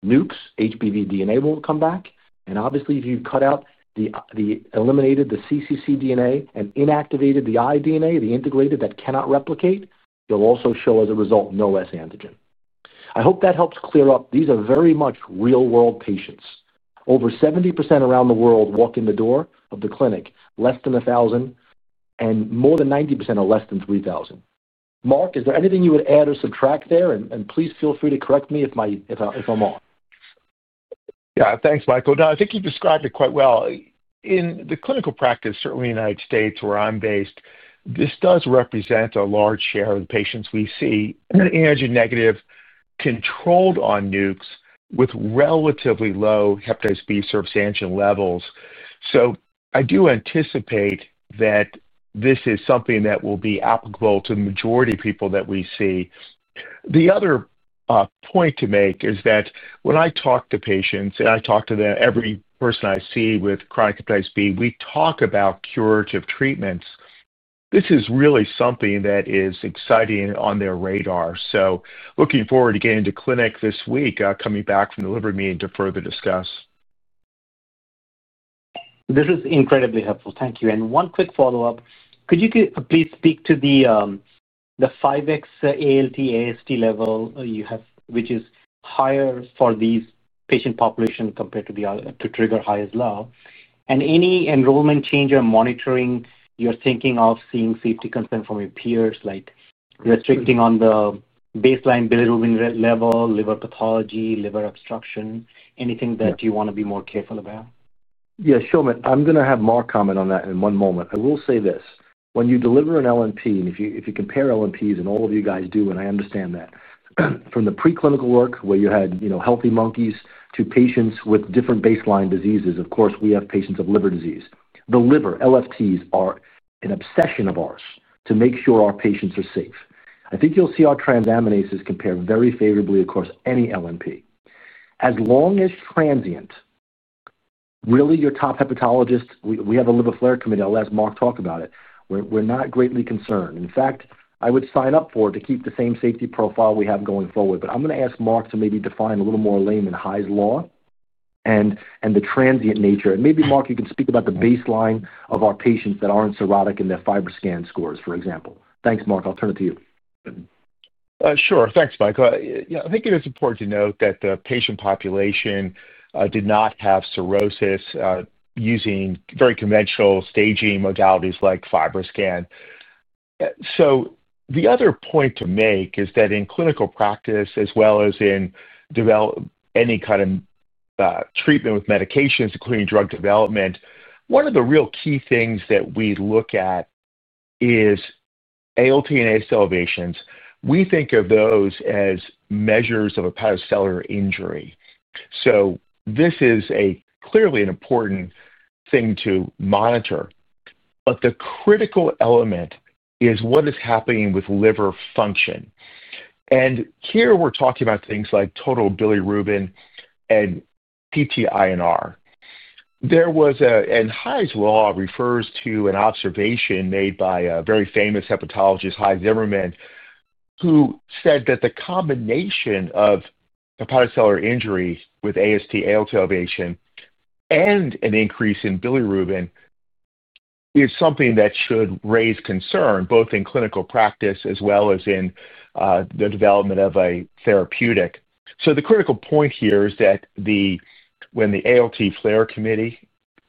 nukes, HBV DNA will come back. Obviously, if you cut out, eliminated the cccDNA and inactivated the iDNA, the integrated that cannot replicate, you'll also show as a result no S antigen. I hope that helps clear up. These are very much real-world patients. Over 70% around the world walk in the door of the clinic, less than 1,000, and more than 90% are less than 3,000. Mark, is there anything you would add or subtract there? Please feel free to correct me if I'm off. Yeah, thanks, Michael. No, I think you described it quite well. In the clinical practice, certainly in the United States where I'm based, this does represent a large share of the patients we see that are negative controlled on nukes with relatively low hepatitis B surface antigen levels. I do anticipate that this is something that will be applicable to the majority of people that we see. The other point to make is that when I talk to patients and I talk to every person I see with chronic hepatitis B, we talk about curative treatments. This is really something that is exciting on their radar. Looking forward to getting into clinic this week, coming back from the liver meeting to further discuss. This is incredibly helpful. Thank you. One quick follow-up. Could you please speak to the 5X ALT AST level you have, which is higher for these patient populations compared to the trigger highest level? Any enrollment change or monitoring you're thinking of seeing safety concern from your peers, like restricting on the baseline bilirubin level, liver pathology, liver obstruction, anything that you want to be more careful about? Yeah, Soumit, I'm going to have Mark comment on that in one moment. I will say this. When you deliver an LNP, and if you compare LNPs, and all of you guys do, and I understand that, from the preclinical work where you had healthy monkeys to patients with different baseline diseases, of course, we have patients of liver disease. The liver, LFTs, are an obsession of ours to make sure our patients are safe. I think you'll see our transaminases compare very favorably, of course, any LNP. As long as transient, really your top hepatologists, we have a liver flare committee. I'll ask Mark to talk about it. We're not greatly concerned. In fact, I would sign up for it to keep the same safety profile we have going forward. I'm going to ask Mark to maybe define a little more layman Hy's law and the transient nature. Maybe Mark, you can speak about the baseline of our patients that are not cirrhotic in their FibroScan scores, for example. Thanks, Mark. I will turn it to you. Sure. Thanks, Michael. I think it is important to note that the patient population did not have cirrhosis using very conventional staging modalities like FibroScan. The other point to make is that in clinical practice, as well as in any kind of treatment with medications, including drug development, one of the real key things that we look at is ALT and AST elevations. We think of those as measures of hepatocellular injury. This is clearly an important thing to monitor. The critical element is what is happening with liver function. Here we are talking about things like total bilirubin and PT-INR. Hy's law refers to an observation made by a very famous hepatologist, Hyman Zimmerman, who said that the combination of hepatocellular injury with AST, ALT elevation, and an increase in bilirubin is something that should raise concern both in clinical practice as well as in the development of a therapeutic. The critical point here is that when the ALT flare committee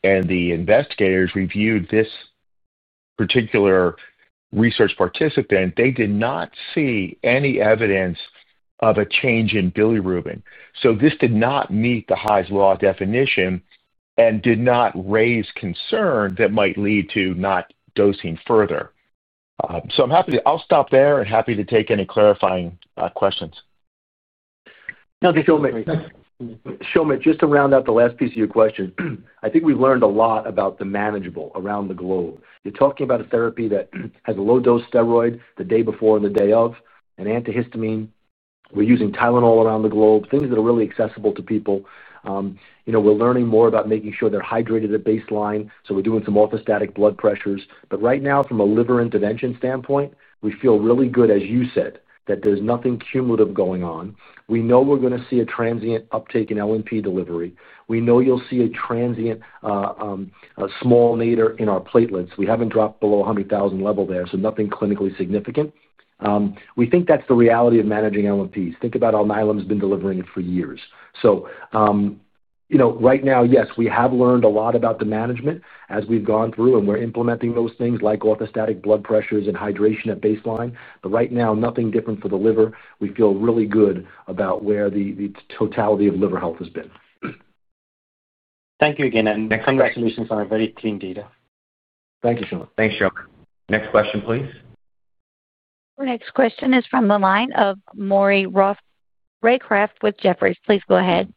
and the investigators reviewed this particular research participant, they did not see any evidence of a change in bilirubin. This did not meet the Hy's law definition and did not raise concern that might lead to not dosing further. I'm happy to, I'll stop there and happy to take any clarifying questions. No, Soumit, just to round out the last piece of your question, I think we've learned a lot about the manageable around the globe. You're talking about a therapy that has a low-dose steroid the day before and the day of, an antihistamine. We're using Tylenol around the globe, things that are really accessible to people. We're learning more about making sure they're hydrated at baseline. We're doing some orthostatic blood pressures. Right now, from a liver intervention standpoint, we feel really good, as you said, that there's nothing cumulative going on. We know we're going to see a transient uptake in LNP delivery. We know you'll see a transient small nadir in our platelets. We haven't dropped below the 100,000 level there, so nothing clinically significant. We think that's the reality of managing LNPs. Think about how Alnylam has been delivering it for years. Right now, yes, we have learned a lot about the management as we've gone through, and we're implementing those things like orthostatic blood pressures and hydration at baseline. Right now, nothing different for the liver. We feel really good about where the totality of liver health has been. Thank you again. Congratulations on a very clean data. Thank you, Soumit. Thanks, Soumit. Next question, please. Next question is from the line of Maury Roth Raycraft with Jefferies. Please go ahead.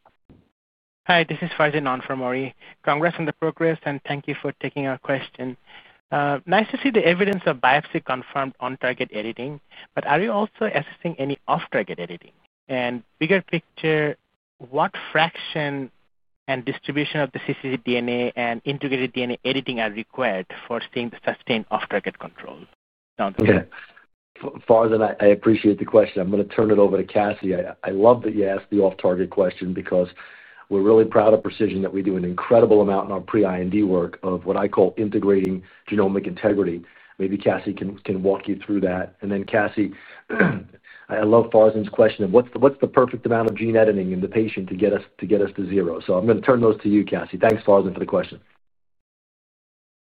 Hi, this is Farzin Haque from Maury. Congrats on the progress, and thank you for taking our question. Nice to see the evidence of biopsy confirmed on target editing, but are you also assessing any off-target editing? Bigger picture, what fraction and distribution of the cccDNA and integrated DNA editing are required for seeing the sustained off-target control? Okay. Farzin, I appreciate the question. I'm going to turn it over to Cassie. I love that you asked the off-target question because we're really proud at Precision that we do an incredible amount in our pre-IND work of what I call integrating genomic integrity. Maybe Cassie can walk you through that. Cassie, I love Farzin's question of what's the perfect amount of gene editing in the patient to get us to zero. I'm going to turn those to you, Cassie. Thanks, Farzin, for the question.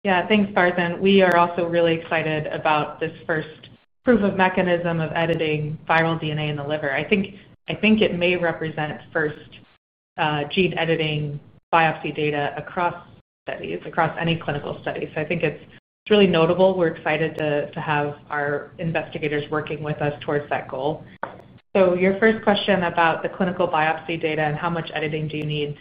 Yeah, thanks, Farzin. We are also really excited about this first proof of mechanism of editing viral DNA in the liver. I think it may represent first gene editing biopsy data across studies, across any clinical studies. I think it's really notable. We're excited to have our investigators working with us towards that goal. Your first question about the clinical biopsy data and how much editing do you need?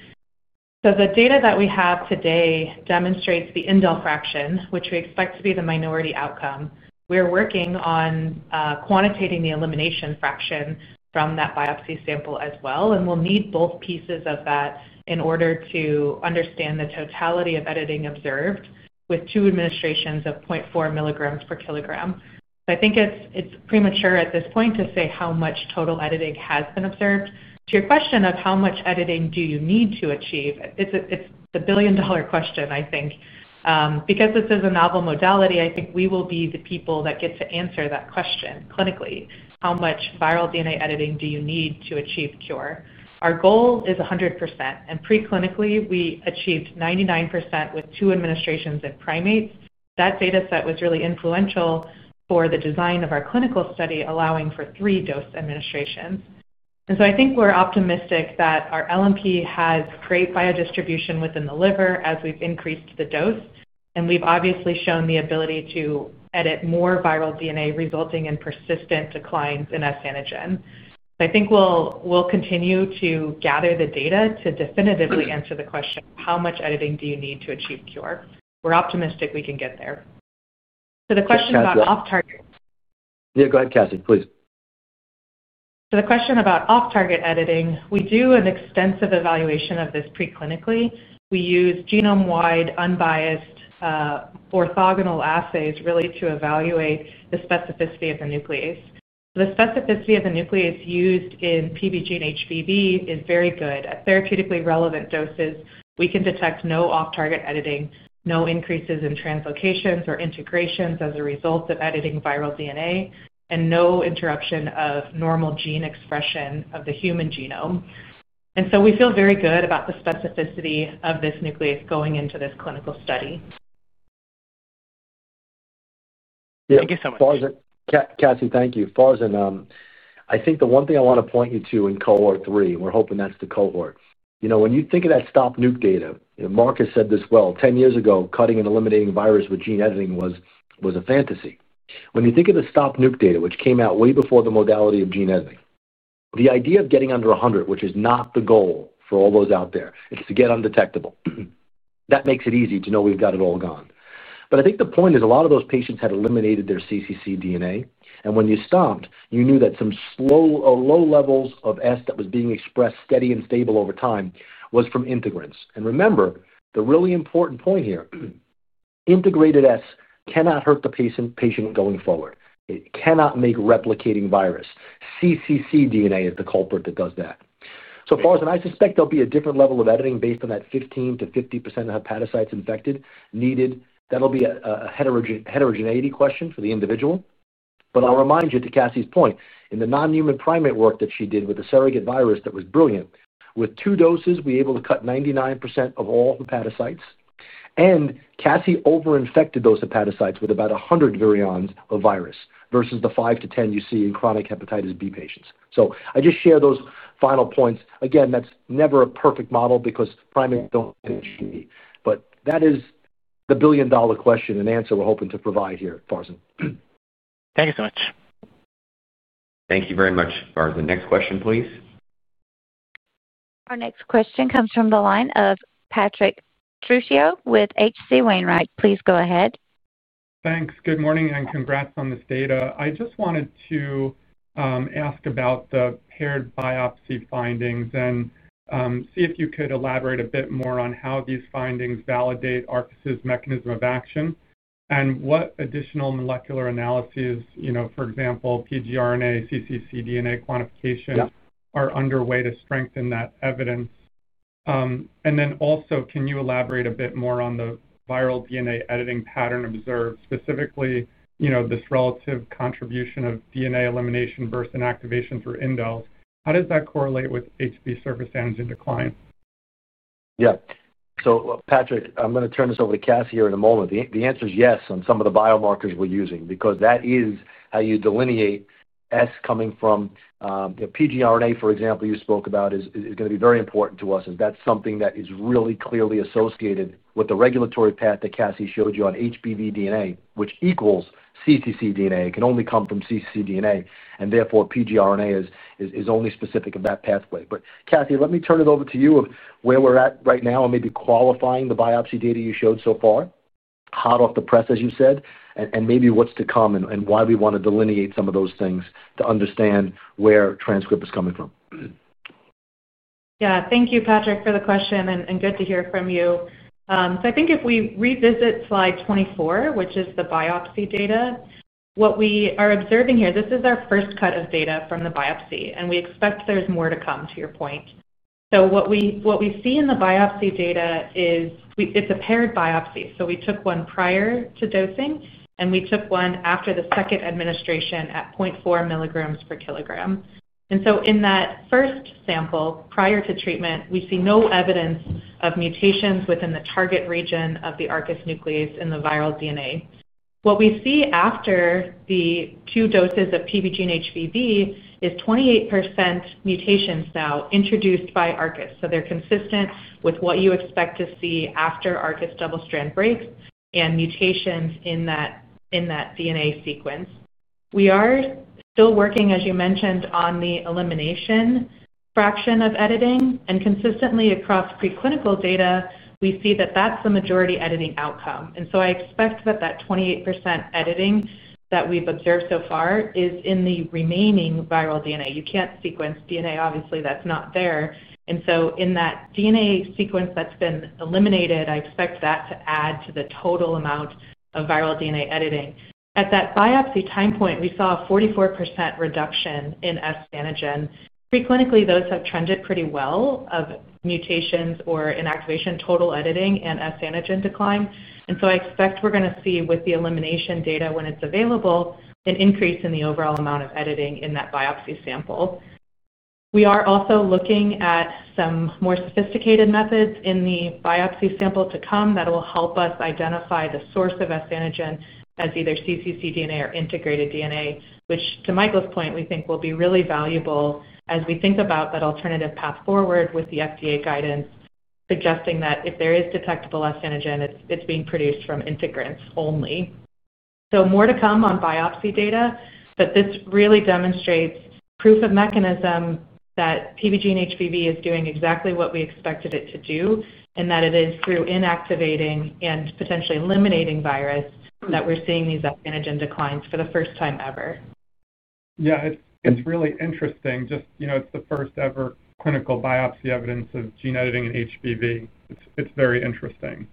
The data that we have today demonstrates the indel fraction, which we expect to be the minority outcome. We're working on quantitating the elimination fraction from that biopsy sample as well. We'll need both pieces of that in order to understand the totality of editing observed with two administrations of 0.4 mg per kg. I think it's premature at this point to say how much total editing has been observed. To your question of how much editing do you need to achieve, it's the billion-dollar question, I think. Because this is a novel modality, I think we will be the people that get to answer that question clinically. How much viral DNA editing do you need to achieve cure? Our goal is 100%. Preclinically, we achieved 99% with two administrations in primates. That data set was really influential for the design of our clinical study, allowing for three dose administrations. I think we're optimistic that our LNP has great biodistribution within the liver as we've increased the dose. We've obviously shown the ability to edit more viral DNA, resulting in persistent declines in S antigen. I think we'll continue to gather the data to definitively answer the question of how much editing do you need to achieve cure. We're optimistic we can get there. The question about off-target— yeah, go ahead, Cassie, please. The question about off-target editing, we do an extensive evaluation of this preclinically. We use genome-wide, unbiased orthogonal assays really to evaluate the specificity of the nuclease. The specificity of the nuclease used in PBGENE-HBV is very good. At therapeutically relevant doses, we can detect no off-target editing, no increases in translocations or integrations as a result of editing viral DNA, and no interruption of normal gene expression of the human genome. We feel very good about the specificity of this nucleus going into this clinical study. Thank you so much. Cassie. Thank you. Farzin, I think the one thing I want to point you to in cohort three, and we're hoping that's the cohort. When you think of that stop-nuke data, Mark has said this well, 10 years ago, cutting and eliminating virus with gene editing was a fantasy. When you think of the stop-nuke data, which came out way before the modality of gene editing, the idea of getting under 100, which is not the goal for all those out there, is to get undetectable. That makes it easy to know we've got it all gone. I think the point is a lot of those patients had eliminated their cccDNA. When you stopped, you knew that some low levels of S that was being expressed steady and stable over time was from integrants. Remember, the really important point here, integrated S cannot hurt the patient going forward. It cannot make replicating virus. cccDNA is the culprit that does that. Farzin, I suspect there'll be a different level of editing based on that 15% to 50% of hepatocytes infected needed. That'll be a heterogeneity question for the individual. I'll remind you to Cassie's point, in the non-human primate work that she did with the surrogate virus that was brilliant, with two doses, we were able to cut 99% of all hepatocytes. Cassie over-infected those hepatocytes with about 100 virions of virus versus the 5 to 10 you see in chronic hepatitis B patients. I just share those final points. Again, that's never a perfect model because primates don't achieve. That is the billion-dollar question and answer we're hoping to provide here, Farzin. Thank you so much. Thank you very much, Farzin. Next question, please. Our next question comes from the line of Patrick Trucchio with H.C. Wainwright. Please go ahead. Thanks. Good morning and congrats on this data. I just wanted to ask about the paired biopsy findings and see if you could elaborate a bit more on how these findings validate Arcus's mechanism of action and what additional molecular analyses, for example, pgRNA, cccDNA quantification are underway to strengthen that evidence. Can you elaborate a bit more on the viral DNA editing pattern observed, specifically this relative contribution of DNA elimination versus inactivation through indels? How does that correlate with HB surface antigen decline? Yeah. Patrick, I'm going to turn this over to Cassie here in a moment. The answer is yes on some of the biomarkers we're using because that is how you delineate S coming from pgRNA, for example, you spoke about is going to be very important to us as that's something that is really clearly associated with the regulatory path that Cassie showed you on HBV DNA, which equals cccDNA. It can only come from cccDNA. Therefore, pgRNA is only specific to that pathway. But Cassie, let me turn it over to you of where we're at right now and maybe qualifying the biopsy data you showed so far, hot off the press, as you said, and maybe what's to come and why we want to delineate some of those things to understand where transcript is coming from. Yeah. Thank you, Patrick, for the question and good to hear from you. I think if we revisit slide 24, which is the biopsy data, what we are observing here, this is our first cut of data from the biopsy, and we expect there's more to come, to your point. What we see in the biopsy data is it's a paired biopsy. We took one prior to dosing, and we took one after the second administration at 0.4 milligrams per kilogram. In that first sample, prior to treatment, we see no evidence of mutations within the target region of the Arcus nuclease in the viral DNA. What we see after the two doses of PBGENE-HBV is 28% mutations now introduced by Arcus. They are consistent with what you expect to see after Arcus double-strand breaks and mutations in that DNA sequence. We are still working, as you mentioned, on the elimination fraction of editing. Consistently across preclinical data, we see that is the majority editing outcome. I expect that the 28% editing that we have observed so far is in the remaining viral DNA. You cannot sequence DNA, obviously, that is not there. In that DNA sequence that has been eliminated, I expect that to add to the total amount of viral DNA editing. At that biopsy time point, we saw a 44% reduction in S antigen. Preclinically, those have trended pretty well of mutations or inactivation, total editing, and S antigen decline. I expect we're going to see with the elimination data when it's available, an increase in the overall amount of editing in that biopsy sample. We are also looking at some more sophisticated methods in the biopsy sample to come that will help us identify the source of S antigen as either cccDNA or integrated DNA, which to Michael's point, we think will be really valuable as we think about that alternative path forward with the FDA guidance suggesting that if there is detectable S antigen, it's being produced from integrants only. More to come on biopsy data, but this really demonstrates proof of mechanism that PBGENE-HBV is doing exactly what we expected it to do and that it is through inactivating and potentially eliminating virus that we are seeing these S antigen declines for the first time ever. Yeah, it is really interesting. It is the first-ever clinical biopsy evidence of gene editing in HBV. It is very interesting.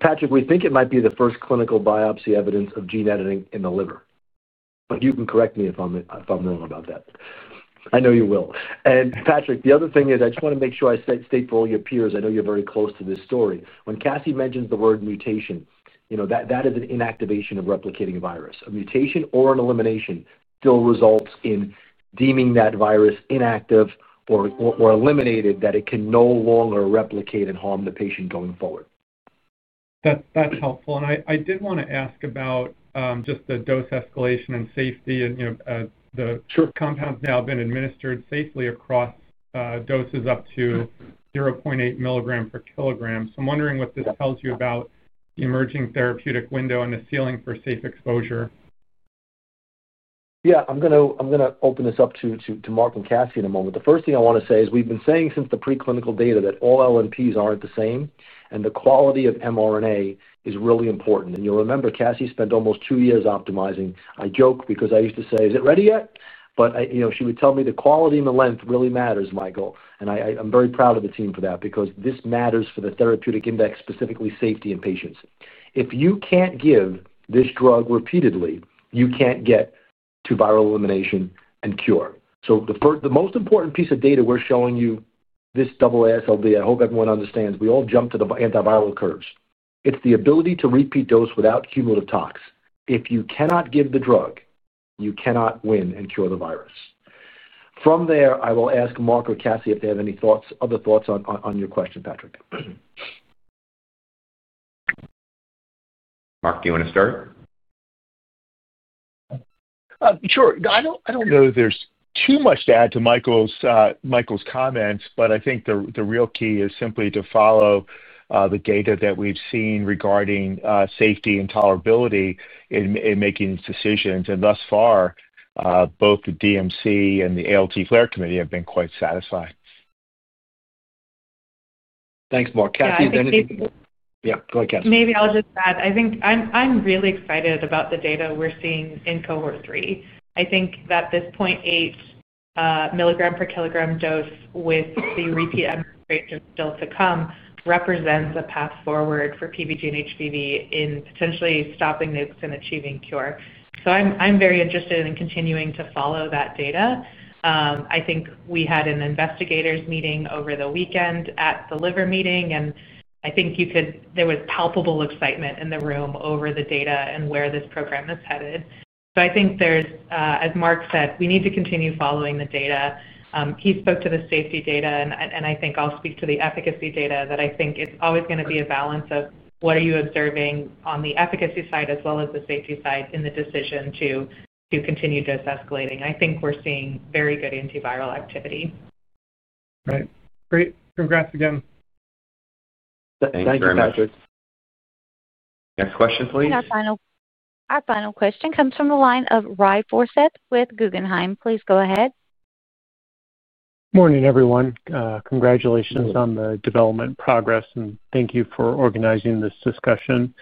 Patrick, we think it might be the first clinical biopsy evidence of gene editing in the liver. You can correct me if I am wrong about that. I know you will. Patrick, the other thing is I just want to make sure I state for all your peers. I know you are very close to this story. When Cassie mentions the word mutation, that is an inactivation of replicating virus. A mutation or an elimination still results in deeming that virus inactive or eliminated that it can no longer replicate and harm the patient going forward. That's helpful. I did want to ask about just the dose escalation and safety and the compounds now have been administered safely across doses up to 0.8 milligrams per kilogram. I'm wondering what this tells you about the emerging therapeutic window and the ceiling for safe exposure. Yeah, I'm going to open this up to Mark and Cassie in a moment. The first thing I want to say is we've been saying since the preclinical data that all LNPs aren't the same, and the quality of mRNA is really important. You'll remember, Cassie spent almost two years optimizing. I joke because I used to say, "Is it ready yet?" She would tell me the quality and the length really matters, Michael. I am very proud of the team for that because this matters for the therapeutic index, specifically safety in patients. If you cannot give this drug repeatedly, you cannot get to viral elimination and cure. The most important piece of data we are showing you, this AASLD, I hope everyone understands, we all jump to the antiviral curves. It is the ability to repeat dose without cumulative tox. If you cannot give the drug, you cannot win and cure the virus. From there, I will ask Mark or Cassie if they have any other thoughts on your question, Patrick. Mark, do you want to start? Sure. I don't know if there's too much to add to Michael's comments, but I think the real key is simply to follow the data that we've seen regarding safety and tolerability in making these decisions. Thus far, both the DMC and the ALT Flair Committee have been quite satisfied. Thanks, Mark. Cassie, is there anything? Yeah, go ahead, Cassie. Maybe I'll just add. I think I'm really excited about the data we're seeing in cohort three. I think that this 0.8 milligram per kilogram dose with the repeat administration still to come represents a path forward for PBG and HBV in potentially stopping nukes and achieving cure. I'm very interested in continuing to follow that data. I think we had an investigators meeting over the weekend at the Liver Meeting, and I think there was palpable excitement in the room over the data and where this program is headed. I think there is, as Mark said, we need to continue following the data. He spoke to the safety data, and I think I will speak to the efficacy data that I think it is always going to be a balance of what you are observing on the efficacy side as well as the safety side in the decision to continue dose escalating. I think we are seeing very good antiviral activity. Right. Great. Congrats again. Thank you, Patrick. Next question, please. Our final question comes from the line of Ry Forseth with Guggenheim. Please go ahead. Morning, everyone. Congratulations on the development progress, and thank you for organizing this discussion.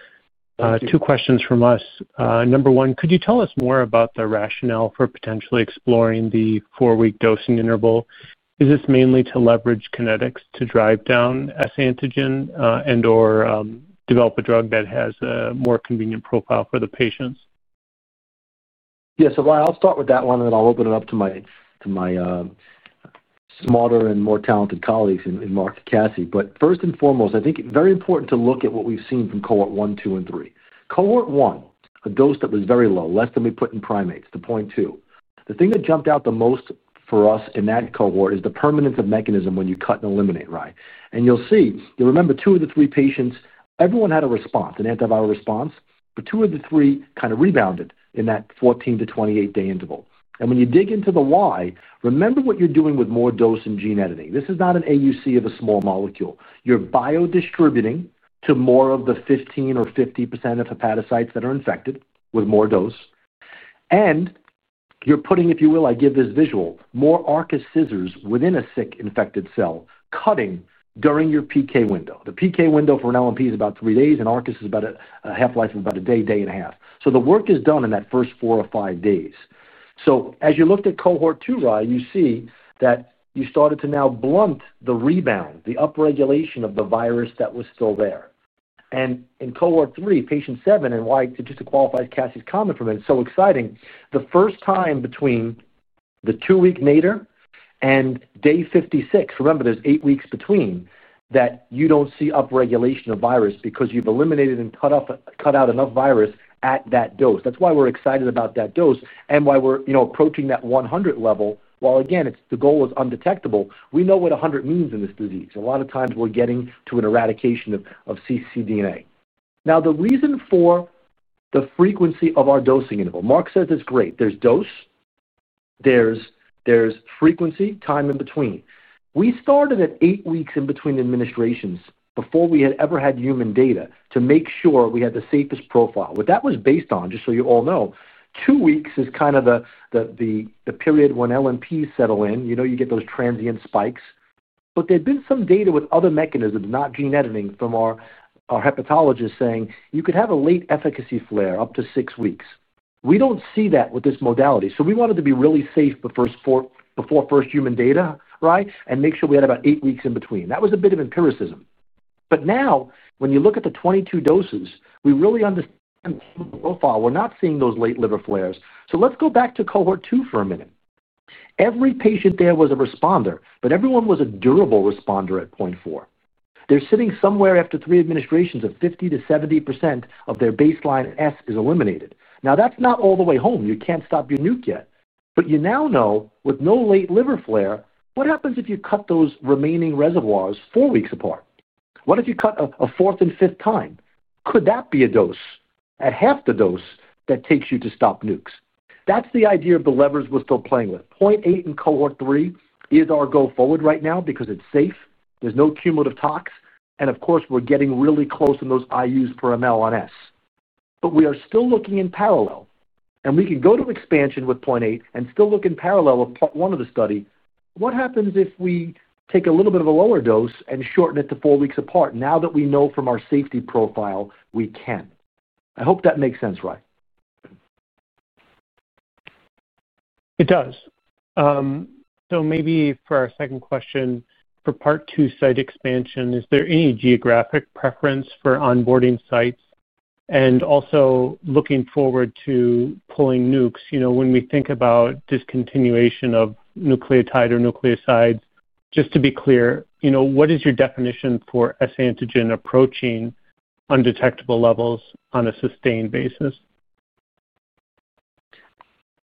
Two questions from us. Number one, could you tell us more about the rationale for potentially exploring the four-week dosing interval? Is this mainly to leverage kinetics to drive down S antigen and/or develop a drug that has a more convenient profile for the patients? Yeah. I'll start with that one, and then I'll open it up to my smarter and more talented colleagues in Mark and Cassie. First and foremost, I think it's very important to look at what we've seen from cohort one, two, and three. Cohort one, a dose that was very low, less than we put in primates, 0.2. The thing that jumped out the most for us in that cohort is the permanence of mechanism when you cut and eliminate, right? You'll see, you'll remember two of the three patients, everyone had a response, an antiviral response, but two of the three kind of rebounded in that 14-28 day interval. When you dig into the why, remember what you're doing with more dose and gene editing. This is not an AUC of a small molecule. You're biodistributing to more of the 15% or 50% of hepatocytes that are infected with more dose. You're putting, if you will, I give this visual, more Arcus scissors within a sick infected cell cutting during your PK window. The PK window for an LNP is about three days, and Arcus is about a half-life of about a day, day and a half. The work is done in that first four or five days. As you looked at cohort two, right, you see that you started to now blunt the rebound, the upregulation of the virus that was still there. In cohort three, patient seven, and why it just qualifies Cassie's comment from it is so exciting. The first time between the two-week nadir and day 56, remember, there are eight weeks between, that you do not see upregulation of virus because you have eliminated and cut out enough virus at that dose. That is why we are excited about that dose and why we are approaching that 100 level. While, again, the goal is undetectable, we know what 100 means in this disease. A lot of times, we are getting to an eradication of cccDNA. Now, the reason for the frequency of our dosing interval, Mark says it is great. There is dose. There is frequency, time in between. We started at eight weeks in between administrations before we had ever had human data to make sure we had the safest profile. What that was based on, just so you all know, two weeks is kind of the period when LNPs settle in. You get those transient spikes. There had been some data with other mechanisms, not gene editing, from our hepatologist saying you could have a late efficacy flare up to six weeks. We do not see that with this modality. We wanted to be really safe before first human data, right, and make sure we had about eight weeks in between. That was a bit of empiricism. Now, when you look at the 22 doses, we really understand the profile. We are not seeing those late liver flares. Let's go back to cohort two for a minute. Every patient there was a responder, but everyone was a durable responder at 0.4. They're sitting somewhere after three administrations of 50-70% of their baseline S is eliminated. Now, that's not all the way home. You can't stop your nuke yet. You now know with no late liver flare what happens if you cut those remaining reservoirs four weeks apart. What if you cut a fourth and fifth time? Could that be a dose at half the dose that takes you to stop nukes? That is the idea of the levers we're still playing with. 0.8 in cohort three is our go-forward right now because it's safe. There's no cumulative tox. Of course, we're getting really close in those IUs per mL on S. We are still looking in parallel. We can go to expansion with 0.8 and still look in parallel with part one of the study. What happens if we take a little bit of a lower dose and shorten it to four weeks apart now that we know from our safety profile we can? I hope that makes sense, right? It does. Maybe for our second question, for part two site expansion, is there any geographic preference for onboarding sites? Also, looking forward to pulling nukes, when we think about discontinuation of nucleotide or nucleosides, just to be clear, what is your definition for S antigen approaching undetectable levels on a sustained basis?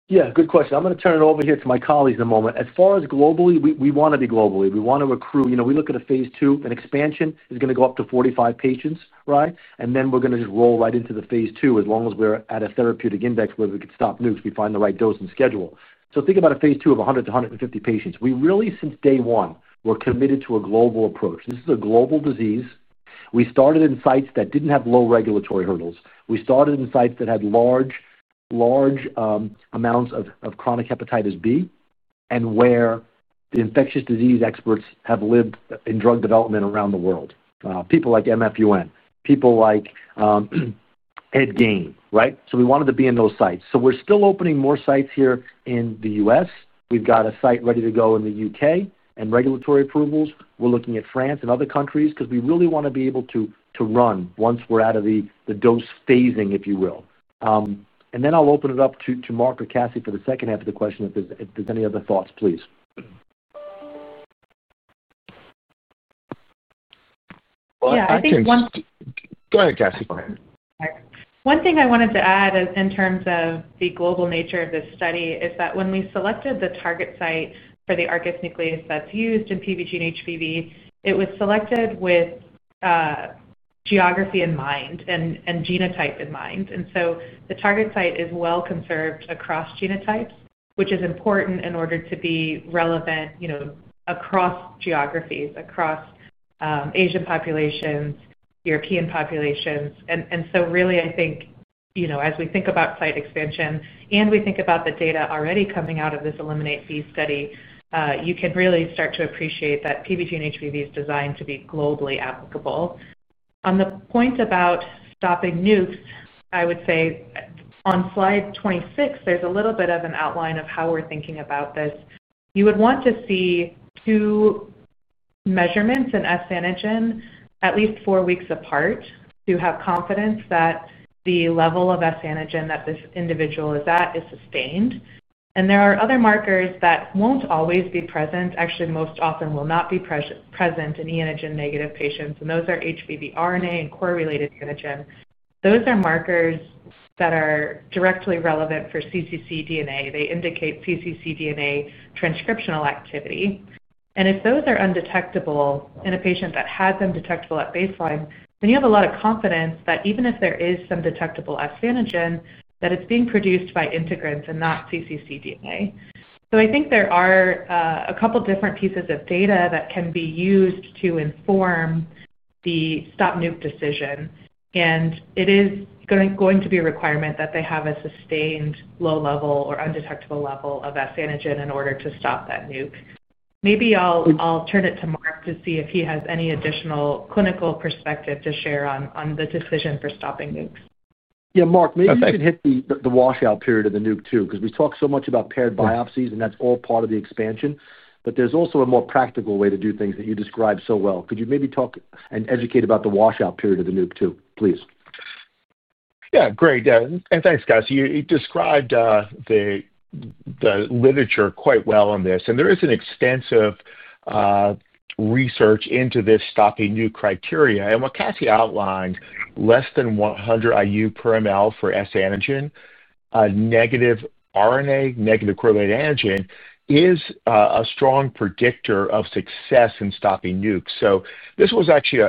Yeah, good question. I'm going to turn it over here to my colleagues in a moment. As far as globally, we want to be globally. We want to recruit. We look at a phase II. An expansion is going to go up to 45 patients, right? Then we're going to just roll right into the phase II as long as we're at a therapeutic index where we can stop nukes, we find the right dose and schedule. Think about a phase II of 100-150 patients. We really, since day one, were committed to a global approach. This is a global disease. We started in sites that did not have low regulatory hurdles. We started in sites that had large amounts of chronic hepatitis B and where the infectious disease experts have lived in drug development around the world. People like M. F. Yuen, people like Ed Gane, right? We wanted to be in those sites. We're still opening more sites here in the U.S. We've got a site ready to go in the U.K. and regulatory approvals. We're looking at France and other countries because we really want to be able to run once we're out of the dose phasing, if you will. I'll open it up to Mark or Cassie for the second half of the question if there's any other thoughts, please. Yeah, I think one—go ahead, Cassie. Go ahead. One thing I wanted to add in terms of the global nature of this study is that when we selected the target site for the Arcus nuclease that's used in PBGENE-HBV, it was selected with geography in mind and genotype in mind. The target site is well conserved across genotypes, which is important in order to be relevant across geographies, across Asian populations, European populations. Really, I think as we think about site expansion and we think about the data already coming out of this Eliminate B study, you can really start to appreciate that PBGENE-HBV is designed to be globally applicable. On the point about stopping nukes, I would say on slide 26, there is a little bit of an outline of how we are thinking about this. You would want to see two measurements in S antigen at least four weeks apart to have confidence that the level of S antigen that this individual is at is sustained. There are other markers that will not always be present, actually most often will not be present in antigen negative patients. Those are HBV RNA and correlated antigen. Those are markers that are directly relevant for cccDNA. They indicate cccDNA transcriptional activity. If those are undetectable in a patient that had them detectable at baseline, then you have a lot of confidence that even if there is some detectable S antigen, that it is being produced by integrants and not cccDNA. I think there are a couple of different pieces of data that can be used to inform the stop nuke decision. It is going to be a requirement that they have a sustained low level or undetectable level of S antigen in order to stop that nuke. Maybe I will turn it to Mark to see if he has any additional clinical perspective to share on the decision for stopping nukes. Yeah, Mark, maybe you can hit the washout period of the nuke too because we talk so much about paired biopsies, and that is all part of the expansion. There is also a more practical way to do things that you described so well. Could you maybe talk and educate about the washout period of the nuke too, please? Yeah, great. And thanks, Cassie. You described the literature quite well on this. There is an extensive research into this stopping nuke criteria. What Cassie outlined, less than 100 IU per mL for S antigen, negative RNA, negative correlated antigen, is a strong predictor of success in stopping nukes. This was actually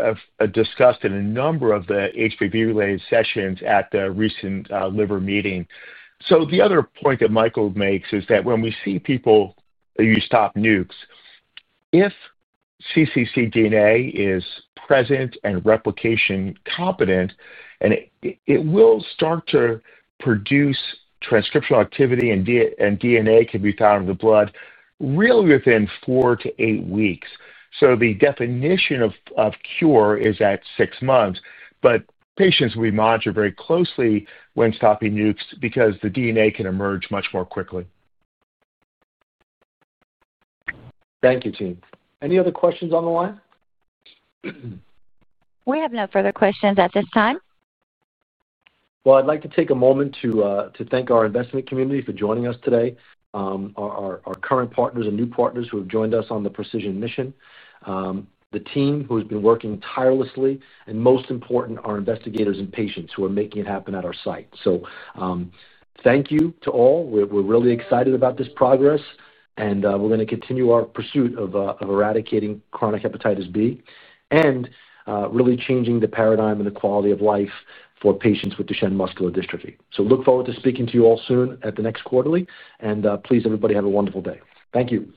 discussed in a number of the HBV-related sessions at the recent liver meeting. The other point that Michael makes is that when we see people stop nukes, if cccDNA is present and replication competent, it will start to produce transcriptional activity, and DNA can be found in the blood really within four to eight weeks. The definition of cure is at six months. Patients will be monitored very closely when stopping nukes because the DNA can emerge much more quickly. Thank you, team. Any other questions on the line? We have no further questions at this time. I would like to take a moment to thank our investment community for joining us today, our current partners and new partners who have joined us on the Precision mission, the team who has been working tirelessly, and most important, our investigators and patients who are making it happen at our site. Thank you to all. We are really excited about this progress, and we are going to continue our pursuit of eradicating chronic hepatitis B and really changing the paradigm and the quality of life for patients with Duchenne muscular dystrophy. I look forward to speaking to you all soon at the next quarterly. Please, everybody have a wonderful day. Thank you.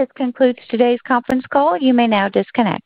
This concludes today's conference call. You may now disconnect.